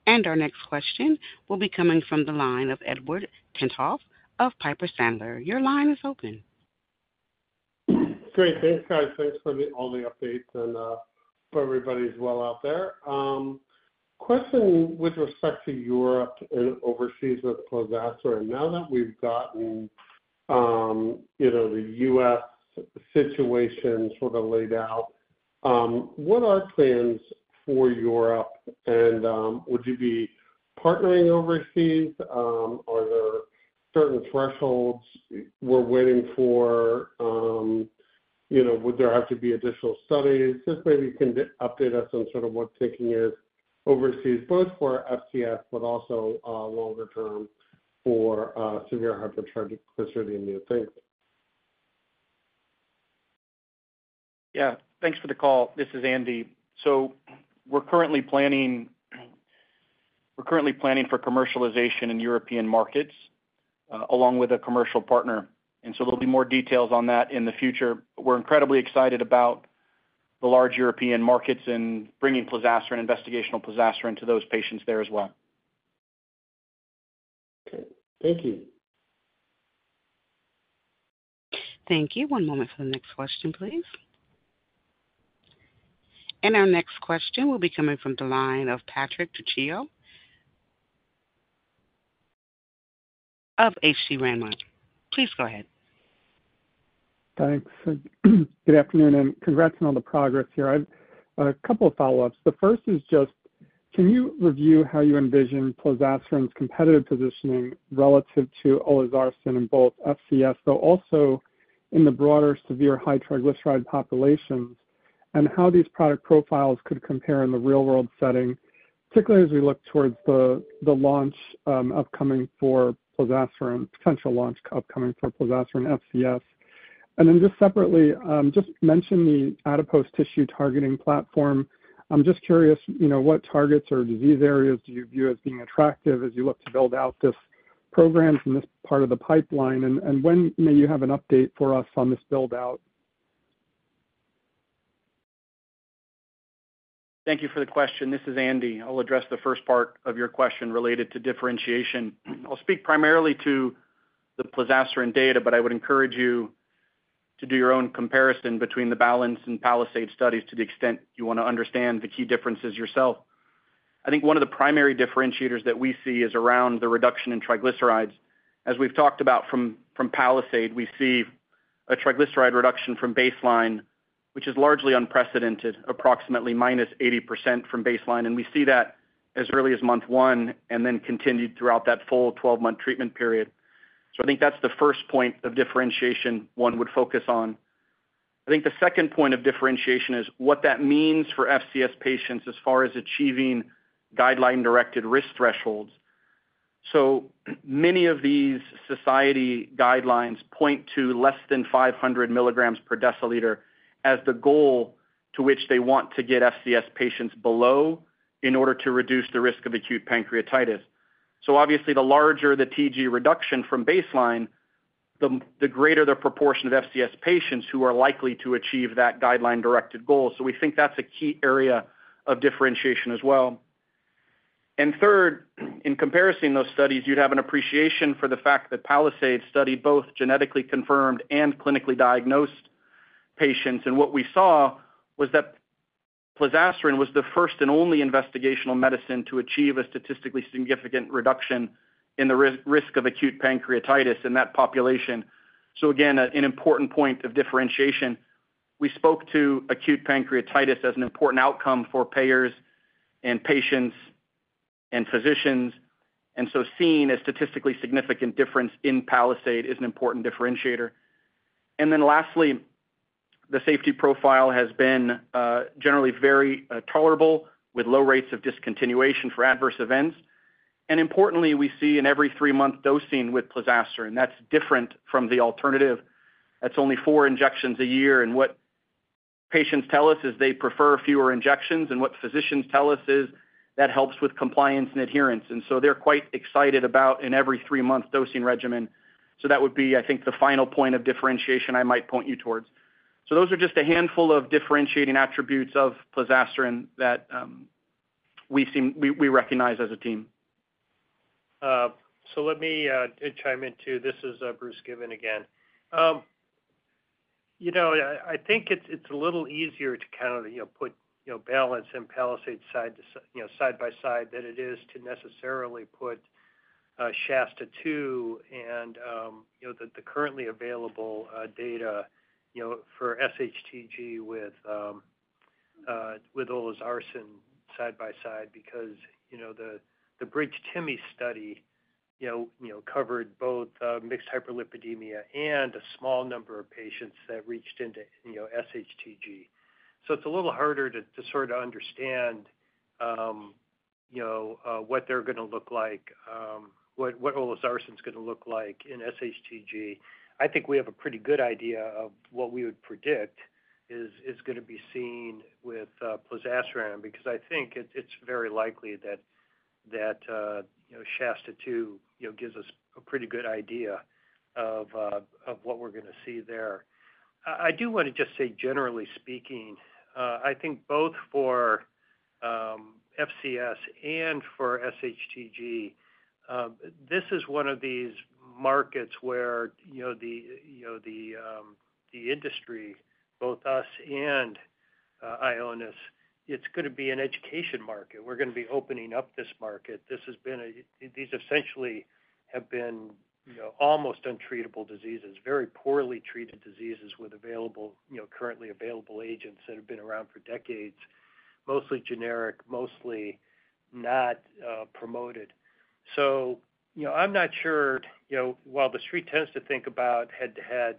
A: And our next question will be coming from the line of Edward Tenthoff of Piper Sandler. Your line is open.
K: Great. Thanks, guys. Thanks for all the updates and for everybody being well out there. Question with respect to Europe and overseas with Plozasiran. Now that we've gotten the U.S. situation sort of laid out, what are plans for Europe? And would you be partnering overseas? Are there certain thresholds we're waiting for? Would there have to be additional studies? Just maybe you can update us on sort of what thinking is overseas, both for FCS, but also longer term for severe hypertriglyceridemia?
E: Thanks. Yeah. Thanks for the call. This is Andy. So we're currently planning for commercialization in European markets along with a commercial partner. And so there'll be more details on that in the future. We're incredibly excited about the large European markets and bringing Plozasiran, investigational Plozasiran to those patients there as well. Okay. Thank you.
A: Thank you. One moment for the next question, please. And our next question will be coming from the line of Patrick Trucchio of H.C. Wainwright. Please go ahead.
L: Thanks. Good afternoon, and congrats on all the progress here. I have a couple of follow-ups. The first is just, can you review how you envision Plozasiran's competitive positioning relative to Olezarsen in both FCS, though also in the broader severe high triglyceride populations, and how these product profiles could compare in the real-world setting, particularly as we look towards the launch upcoming for Plozasiran, potential launch upcoming for Plozasiran FCS? And then just separately, just mention the adipose tissue targeting platform. I'm just curious, what targets or disease areas do you view as being attractive as you look to build out this program from this part of the pipeline? And when may you have an update for us on this build-out?
E: Thank you for the question. This is Andy. I'll address the first part of your question related to differentiation. I'll speak primarily to the Plozasiran data, but I would encourage you to do your own comparison between the BRIDGE and PALISADE studies to the extent you want to understand the key differences yourself. I think one of the primary differentiators that we see is around the reduction in triglycerides. As we've talked about from PALISADE, we see a triglyceride reduction from baseline, which is largely unprecedented, approximately -80% from baseline, and we see that as early as month one and then continued throughout that full 12-month treatment period. So I think that's the first point of differentiation one would focus on. I think the second point of differentiation is what that means for FCS patients as far as achieving guideline-directed risk thresholds. Many of these society guidelines point to less than 500 milligrams per deciliter as the goal to which they want to get FCS patients below in order to reduce the risk of acute pancreatitis. Obviously, the larger the TG reduction from baseline, the greater the proportion of FCS patients who are likely to achieve that guideline-directed goal. We think that's a key area of differentiation as well. Third, in comparison to those studies, you'd have an appreciation for the fact that PALISADE studied both genetically confirmed and clinically diagnosed patients. What we saw was that Plozasiran was the first and only investigational medicine to achieve a statistically significant reduction in the risk of acute pancreatitis in that population. Again, an important point of differentiation. We spoke to acute pancreatitis as an important outcome for payers and patients and physicians. Seeing a statistically significant difference in PALISADE is an important differentiator. And then lastly, the safety profile has been generally very tolerable with low rates of discontinuation for adverse events. And importantly, we see an every three-month dosing with Plozasiran. That's different from the alternative. That's only four injections a year. And what patients tell us is they prefer fewer injections. And what physicians tell us is that helps with compliance and adherence. And so they're quite excited about an every three-month dosing regimen. So that would be, I think, the final point of differentiation I might point you towards. So those are just a handful of differentiating attributes of Plozasiran that we recognize as a team.
D: So let me chime in too. This is Bruce Given again. I think it's a little easier to kind of put BALANCE and PALISADE side by side than it is to necessarily put SHASTA-2 and the currently available data for SHTG with Olezarsen side by side because the BRIDGE-TIMI study covered both mixed hyperlipidemia and a small number of patients that reached into SHTG. So it's a little harder to sort of understand what they're going to look like, what Olezarsen's going to look like in SHTG. I think we have a pretty good idea of what we would predict is going to be seen with Plozasiran because I think it's very likely that SHASTA-2 gives us a pretty good idea of what we're going to see there. I do want to just say, generally speaking, I think both for FCS and for SHTG, this is one of these markets where the industry, both us and Ionis, it's going to be an education market. We're going to be opening up this market. These essentially have been almost untreatable diseases, very poorly treated diseases with currently available agents that have been around for decades, mostly generic, mostly not promoted. So I'm not sure. While the street tends to think about head-to-head,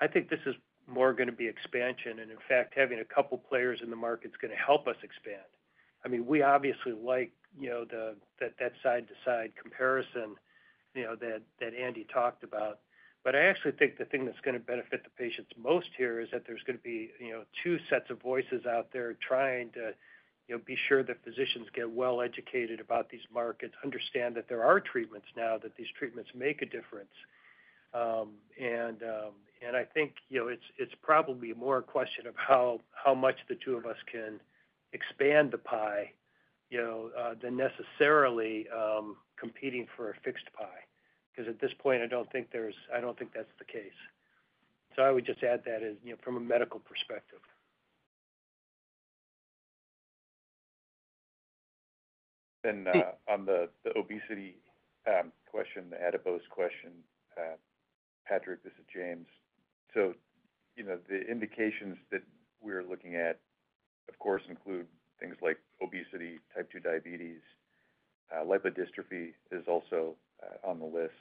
D: I think this is more going to be expansion. And in fact, having a couple of players in the market is going to help us expand. I mean, we obviously like that side-to-side comparison that Andy talked about. But I actually think the thing that's going to benefit the patients most here is that there's going to be two sets of voices out there trying to be sure that physicians get well educated about these markets, understand that there are treatments now, that these treatments make a difference. And I think it's probably more a question of how much the two of us can expand the pie than necessarily competing for a fixed pie because at this point, I don't think there's—I don't think that's the case. So I would just add that from a medical perspective.
F: And on the obesity question, the adipose question, Patrick, this is James. So the indications that we're looking at, of course, include things like obesity, type 2 diabetes. Lipodystrophy is also on the list.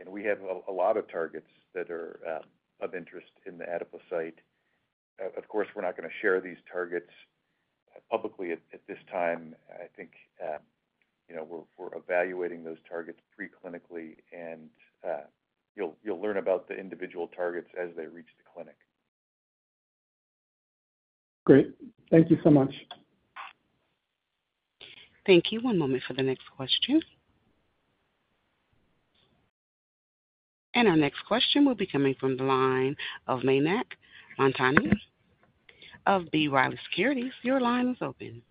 F: And we have a lot of targets that are of interest in the adipose site. Of course, we're not going to share these targets publicly at this time. I think we're evaluating those targets preclinically, and you'll learn about the individual targets as they reach the clinic.
L: Great. Thank you so much.
A: Thank you. One moment for the next question. And our next question will be coming from the line of Mayank Mamtani of B. Riley Securities. Your line is open.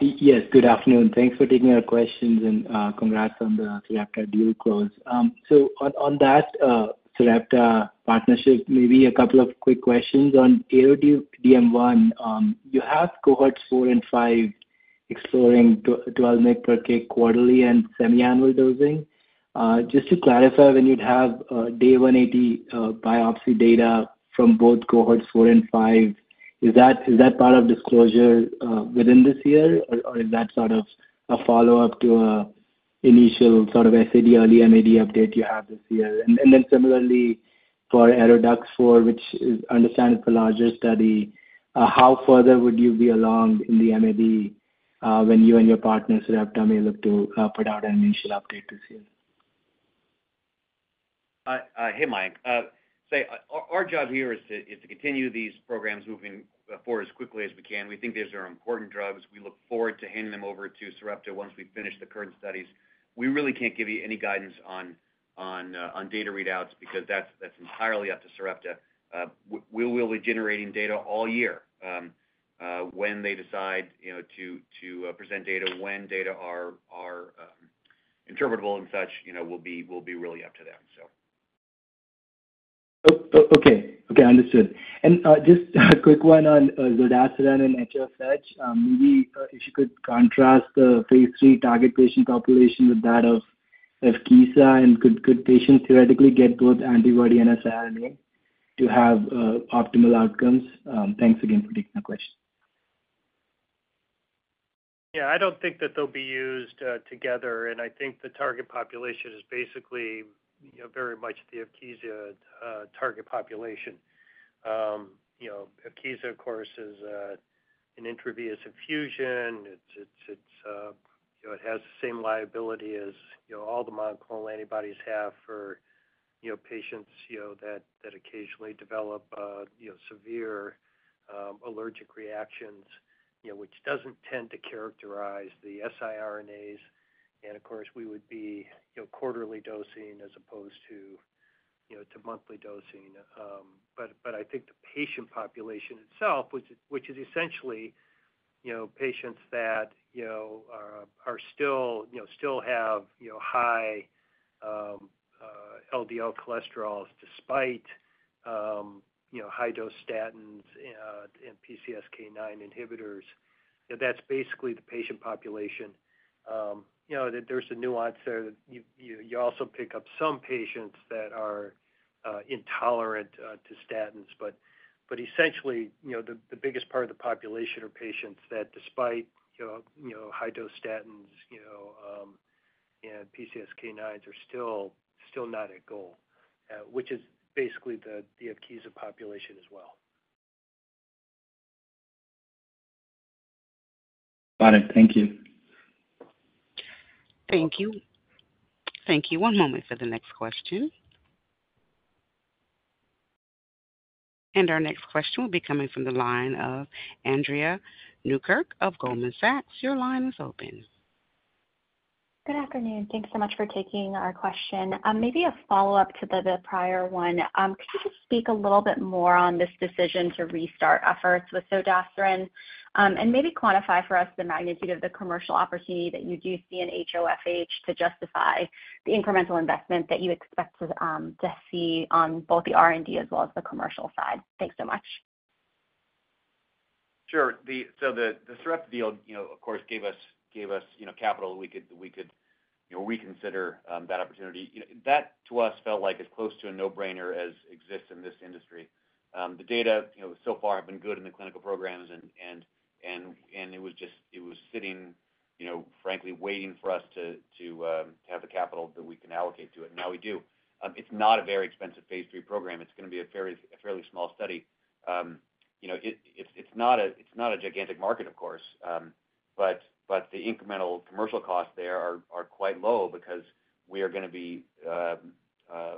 M: Yes. Good afternoon. Thanks for taking our questions, and congrats on the Sarepta deal close. So on that Sarepta partnership, maybe a couple of quick questions on ARO-DM1. You have cohorts four and five exploring 12 mg per kg quarterly and semiannual dosing. Just to clarify, when you'd have day 180 biopsy data from both cohorts four and five, is that part of disclosure within this year, or is that sort of a follow-up to an initial sort of SAD early MAD update you have this year? And then similarly for ARO-DUX4, which is understandable for larger study, how further would you be along in the MAD when you and your partner, Sarepta, may look to put out an initial update this year?
C: Hey, Mike. Our job here is to continue these programs moving forward as quickly as we can. We think these are important drugs. We look forward to handing them over to Sarepta once we finish the current studies. We really can't give you any guidance on data readouts because that's entirely up to Sarepta. We'll be generating data all year. When they decide to present data, when data are interpretable and such, we'll be really up to them, so.
M: Okay. Okay. Understood. And just a quick one on Zodasiran and HOFH. Maybe if you could contrast the phase 3 target patient population with that of Evkeeza and could patients theoretically get both antibody and siRNA to have optimal outcomes? Thanks again for taking the question.
D: Yeah. I don't think that they'll be used together. And I think the target population is basically very much the Evkeeza target population. Evkeeza, of course, is an intravenous infusion. It has the same liability as all the monoclonal antibodies have for patients that occasionally develop severe allergic reactions, which doesn't tend to characterize the siRNAs. And of course, we would be quarterly dosing as opposed to monthly dosing. But I think the patient population itself, which is essentially patients that still have high LDL cholesterols despite high-dose statins and PCSK9 inhibitors, that's basically the patient population. There's a nuance there that you also pick up some patients that are intolerant to statins. But essentially, the biggest part of the population are patients that despite high-dose statins and PCSK9s are still not at goal, which is basically the Evkeeza population as well.
M: Got it. Thank you.
C: Thank you. Thank you. One moment for the next question. And our next question will be coming from the line of Andrea Newkirk of Goldman Sachs. Your line is open.
N: Good afternoon. Thanks so much for taking our question. Maybe a follow-up to the prior one. Could you just speak a little bit more on this decision to restart efforts with Zodasiran and maybe quantify for us the magnitude of the commercial opportunity that you do see in HOFH to justify the incremental investment that you expect to see on both the R&D as well as the commercial side? Thanks so much.
C: Sure. So the Sarepta deal, of course, gave us capital we could reconsider that opportunity. That, to us, felt like as close to a no-brainer as exists in this industry. The data so far have been good in the clinical programs, and it was just—it was sitting, frankly, waiting for us to have the capital that we can allocate to it. And now we do. It's not a very expensive phase three program. It's going to be a fairly small study. It's not a gigantic market, of course. But the incremental commercial costs there are quite low because we are going to be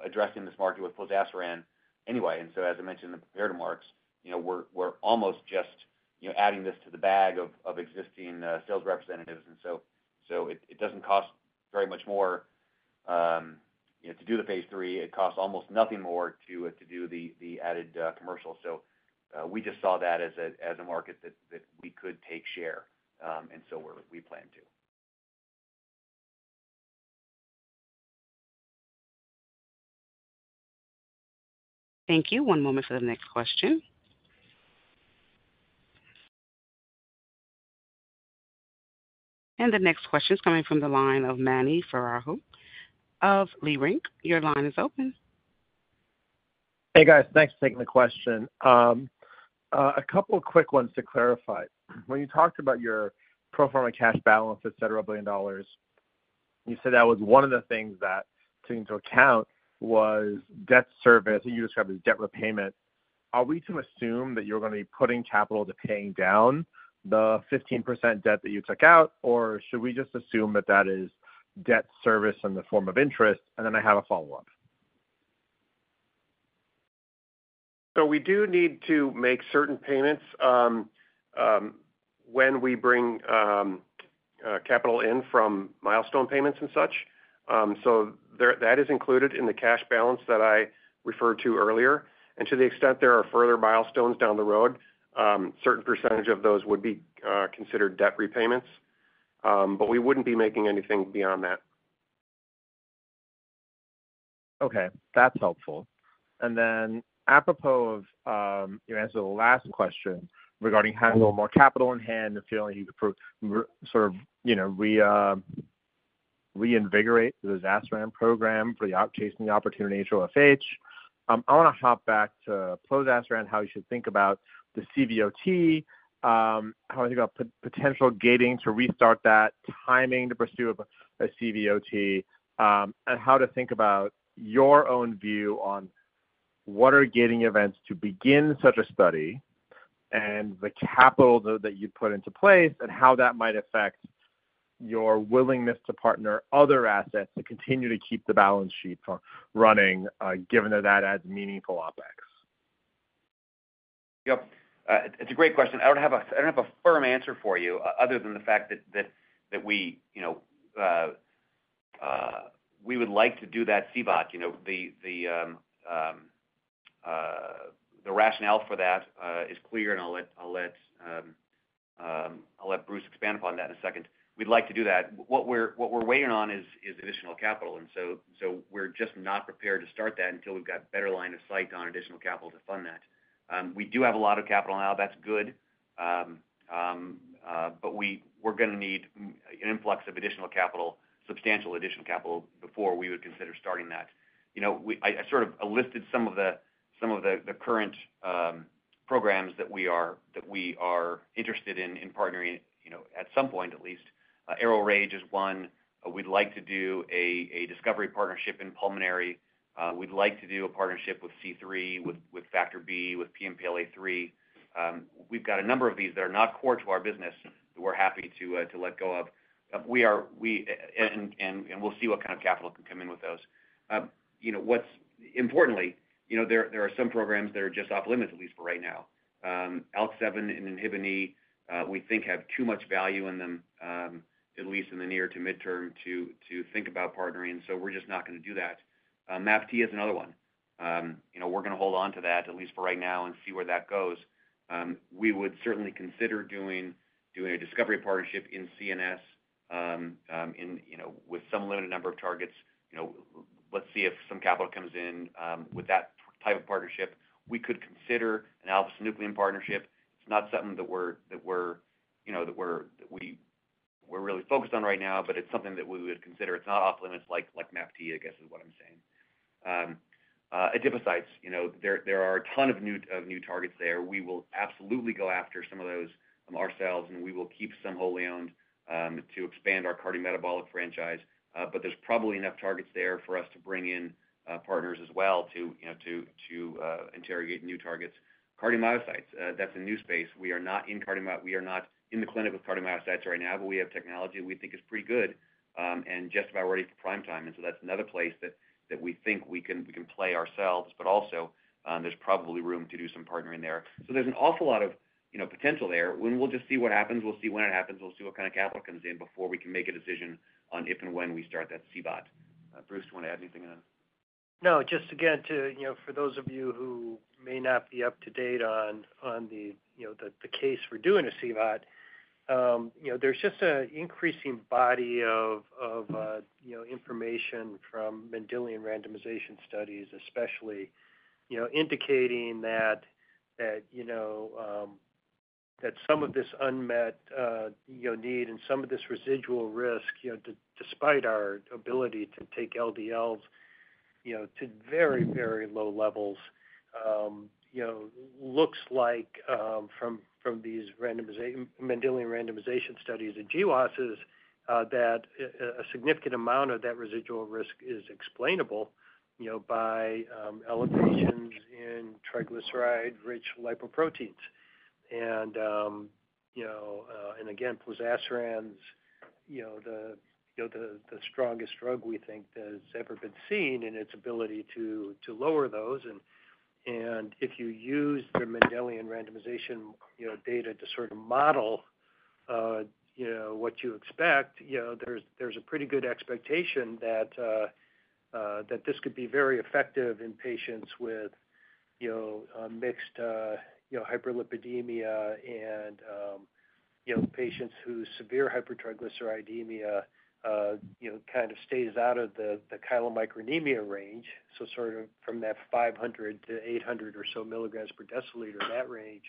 C: addressing this market with Plozasiran anyway. And so, as I mentioned in the prepared remarks, we're almost just adding this to the bag of existing sales representatives. And so it doesn't cost very much more to do the phase 3. It costs almost nothing more to do the added commercial. So we just saw that as a market that we could take share. And so we plan to.
A: Thank you. One moment for the next question. And the next question is coming from the line of Mani Foroohar of Leerink Partners. Your line is open.
O: Hey, guys. Thanks for taking the question. A couple of quick ones to clarify. When you talked about your pro forma cash balance, etc., $1 billion, you said that was one of the things that took into account was debt service that you described as debt repayment. Are we to assume that you're going to be putting capital to paying down the 15% debt that you took out, or should we just assume that that is debt service in the form of interest? And then I have a follow-up.
G: So we do need to make certain payments when we bring capital in from milestone payments and such. So that is included in the cash balance that I referred to earlier. And to the extent there are further milestones down the road, a certain percentage of those would be considered debt repayments. But we wouldn't be making anything beyond that.
O: Okay. That's helpful. And then apropos of your answer to the last question regarding having a little more capital on hand if you're only able to sort of reinvigorate the Zodasiran program for the outpacing opportunity in HOFH, I want to hop back to Plozasiran, how you should think about the CVOT, how to think about potential gating to restart that, timing to pursue a CVOT, and how to think about your own view on what are gating events to begin such a study and the capital that you put into place and how that might affect your willingness to partner other assets to continue to keep the balance sheet running given that that adds meaningful OpEx.
C: Yep. It's a great question. I don't have a firm answer for you other than the fact that we would like to do that CVOT. The rationale for that is clear, and I'll let Bruce expand upon that in a second. We'd like to do that. What we're waiting on is additional capital. And so we're just not prepared to start that until we've got a better line of sight on additional capital to fund that. We do have a lot of capital now. That's good. But we're going to need an influx of additional capital, substantial additional capital before we would consider starting that. I sort of listed some of the current programs that we are interested in partnering at some point at least. ARO-RAGE is one. We'd like to do a discovery partnership in pulmonary. We'd like to do a partnership with C3, with Factor B, with PNPLA3. We've got a number of these that are not core to our business that we're happy to let go of. We'll see what kind of capital can come in with those. Importantly, there are some programs that are just off-limits, at least for right now. ALK7 and INHBE, we think, have too much value in them, at least in the near to midterm, to think about partnering. So we're just not going to do that. MAPT is another one. We're going to hold on to that, at least for right now, and see where that goes. We would certainly consider doing a discovery partnership in CNS with some limited number of targets. Let's see if some capital comes in with that type of partnership. We could consider an alpha-synuclein partnership. It's not something that we're really focused on right now, but it's something that we would consider. It's not off-limits like MAPT, I guess, is what I'm saying. Adipocytes, there are a ton of new targets there. We will absolutely go after some of those ourselves, and we will keep some wholly owned to expand our cardiometabolic franchise, but there's probably enough targets there for us to bring in partners as well to interrogate new targets. Cardiomyocytes, that's a new space. We are not in cardiomyocytes. We are not in the clinic with cardiomyocytes right now, but we have technology we think is pretty good and just about ready for prime time, and so that's another place that we think we can play ourselves, but also, there's probably room to do some partnering there, so there's an awful lot of potential there. And we'll just see what happens. We'll see when it happens. We'll see what kind of capital comes in before we can make a decision on if and when we start that CVOT. Bruce, do you want to add anything on?
D: No, just again, for those of you who may not be up to date on the case for doing a CVOT, there's just an increasing body of information from Mendelian randomization studies, especially indicating that some of this unmet need and some of this residual risk, despite our ability to take LDLs to very, very low levels, looks like from these Mendelian randomization studies and GWASs that a significant amount of that residual risk is explainable by elevations in triglyceride-rich lipoproteins. And again, Plozasiran's the strongest drug we think that's ever been seen in its ability to lower those. And if you use the Mendelian randomization data to sort of model what you expect, there's a pretty good expectation that this could be very effective in patients with mixed hyperlipidemia and patients whose severe hypertriglyceridemia kind of stays out of the chylomicronemia range. Sort of from that 500 to 800 or so milligrams per deciliter, that range,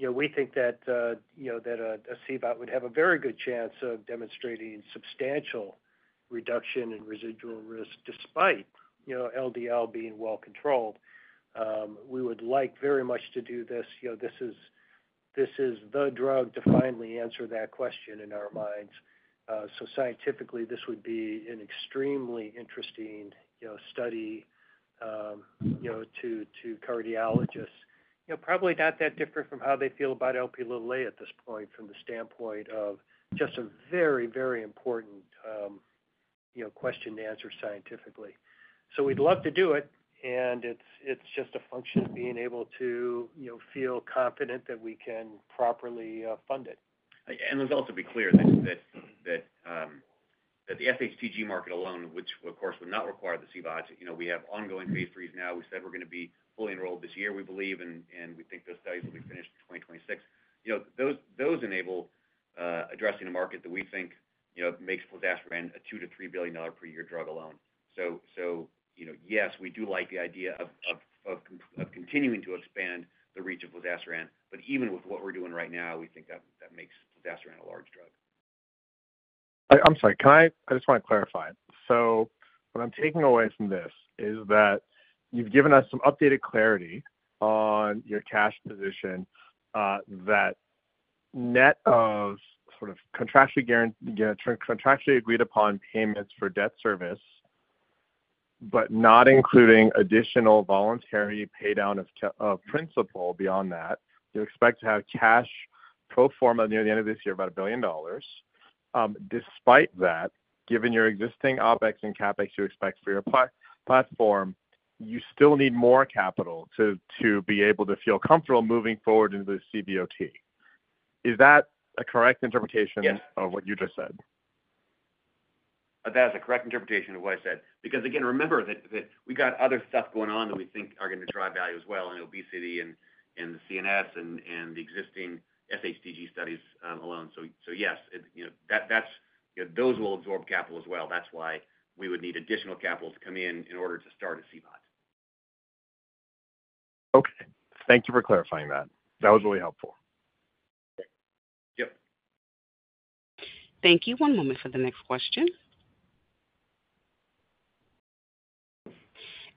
D: we think that a CVOT would have a very good chance of demonstrating substantial reduction in residual risk despite LDL being well-controlled. We would like very much to do this. This is the drug to finally answer that question in our minds. Scientifically, this would be an extremely interesting study to cardiologists. Probably not that different from how they feel about Lp(a) at this point from the standpoint of just a very, very important question to answer scientifically. We'd love to do it. It's just a function of being able to feel confident that we can properly fund it.
C: Let's also be clear that the HoFH market alone, which, of course, would not require the CVOT, we have ongoing phase 3s now. We said we're going to be fully enrolled this year, we believe, and we think those studies will be finished in 2026. Those enable addressing a market that we think makes Plozasiran a $2-$3 billion per year drug alone. So yes, we do like the idea of continuing to expand the reach of Plozasiran. But even with what we're doing right now, we think that makes Plozasiran a large drug.
O: I'm sorry. I just want to clarify. So what I'm taking away from this is that you've given us some updated clarity on your cash position that net of sort of contractually agreed-upon payments for debt service, but not including additional voluntary paydown of principal beyond that, you expect to have cash pro forma near the end of this year of about $1 billion. Despite that, given your existing OpEx and CapEx you expect for your platform, you still need more capital to be able to feel comfortable moving forward into the CVOT. Is that a correct interpretation of what you just said?
C: That is a correct interpretation of what I said. Because again, remember that we've got other stuff going on that we think are going to drive value as well, and obesity and the CNS and the existing FHCG studies alone. So yes, those will absorb capital as well. That's why we would need additional capital to come in in order to start a CVOT. Okay. Thank you for clarifying that.
O: That was really helpful. Okay. Yep.
A: Thank you. One moment for the next question.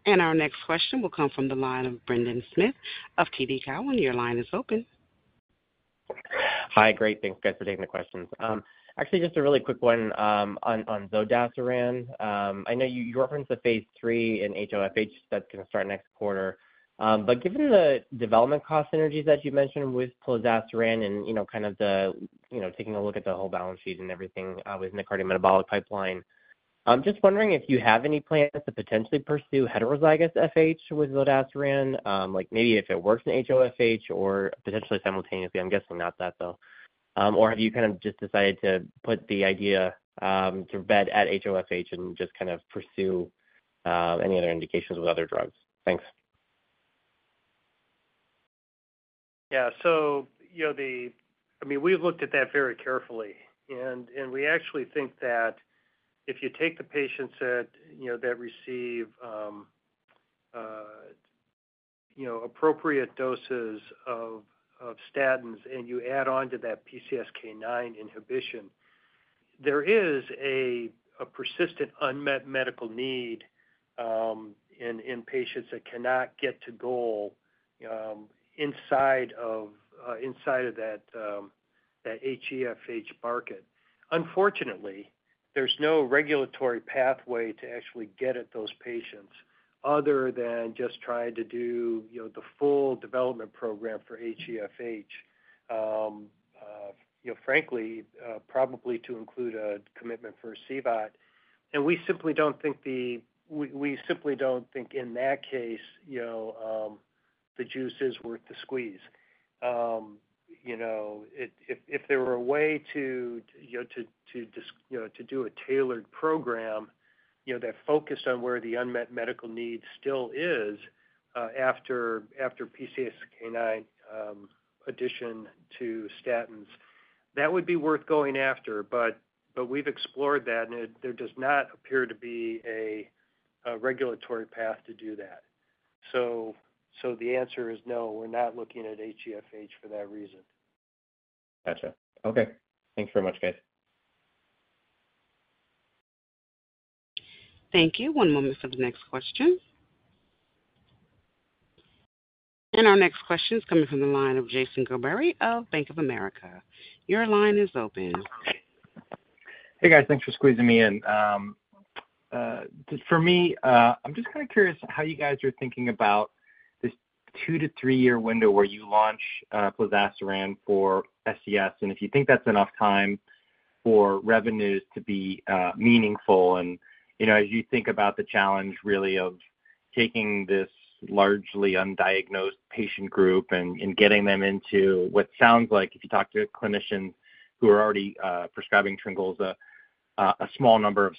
A: And our next question will come from the line of Brendan Smith of TD Cowen. Your line is open.
P: Hi. Great. Thanks. Thanks for taking the questions. Actually, just a really quick one on Zodasiran. I know you referenced the phase 3 in HOFH that's going to start next quarter. But given the development cost synergies that you mentioned with Plozasiran and kind of the taking a look at the whole balance sheet and everything within the cardiometabolic pipeline, I'm just wondering if you have any plans to potentially pursue heterozygous FH with Zodasiran, maybe if it works in HOFH or potentially simultaneously. I'm guessing not that, though. Or have you kind of just decided to put the idea to bed at HOFH and just kind of pursue any other indications with other drugs? Thanks.
D: Yeah. So I mean, we've looked at that very carefully. And we actually think that if you take the patients that receive appropriate doses of statins and you add on to that PCSK9 inhibition, there is a persistent unmet medical need in patients that cannot get to goal inside of that HEFH market. Unfortunately, there's no regulatory pathway to actually get at those patients other than just trying to do the full development program for HEFH, frankly, probably to include a commitment for a CVOT. And we simply don't think in that case the juice is worth the squeeze. If there were a way to do a tailored program that focused on where the unmet medical need still is after PCSK9 addition to statins, that would be worth going after. But we've explored that, and there does not appear to be a regulatory path to do that. So the answer is no. We're not looking at HEFH for that reason.
P: Gotcha. Okay. Thanks very much, guys.
A: Thank you. One moment for the next question. Our next question is coming from the line of Jason Gerberry of Bank of America. Your line is open.
Q: Hey, guys. Thanks for squeezing me in. For me, I'm just kind of curious how you guys are thinking about this two to three-year window where you launch Plozasiran for FCS. And if you think that's enough time for revenues to be meaningful and as you think about the challenge really of taking this largely undiagnosed patient group and getting them into what sounds like, if you talk to clinicians who are already prescribing Tryngolza, a small number of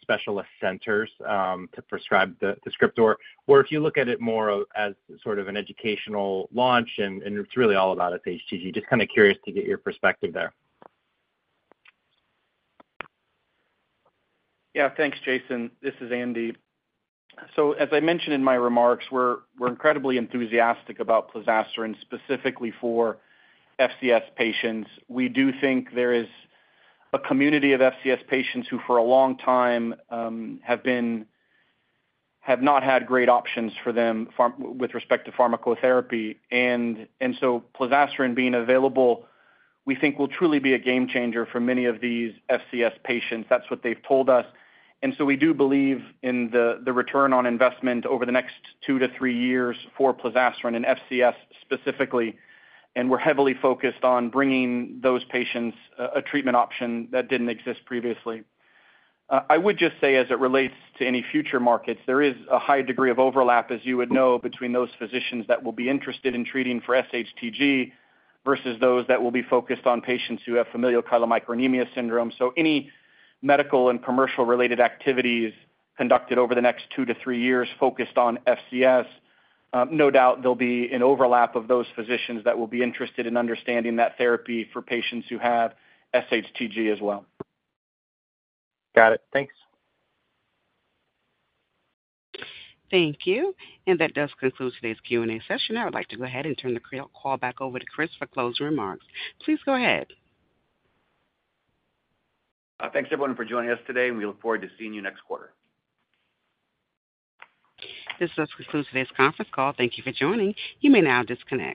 Q: specialist centers to prescribe the script, or if you look at it more as sort of an educational launch, and it's really all about FCS. Just kind of curious to get your perspective there.
E: Yeah. Thanks, Jason. This is Andy. So as I mentioned in my remarks, we're incredibly enthusiastic about Plozasiran, specifically for FCS patients. We do think there is a community of FCS patients who for a long time have not had great options for them with respect to pharmacotherapy. And so Plozasiran being available, we think will truly be a game changer for many of these FCS patients. That's what they've told us. And so we do believe in the return on investment over the next two to three years for Plozasiran and FCS specifically. And we're heavily focused on bringing those patients a treatment option that didn't exist previously. I would just say, as it relates to any future markets, there is a high degree of overlap, as you would know, between those physicians that will be interested in treating for SHTG versus those that will be focused on patients who have familial chylomicronemia syndrome. So any medical and commercial-related activities conducted over the next two to three years focused on FCS, no doubt there'll be an overlap of those physicians that will be interested in understanding that therapy for patients who have SHTG as well.
Q: Got it. Thanks.
A: Thank you. And that does conclude today's Q&A session. I would like to go ahead and turn the call back over to Chris for closing remarks. Please go ahead.
C: Thanks, everyone, for joining us today. And we look forward to seeing you next quarter.
A: This does conclude today's conference call. Thank you for joining. You may now disconnect.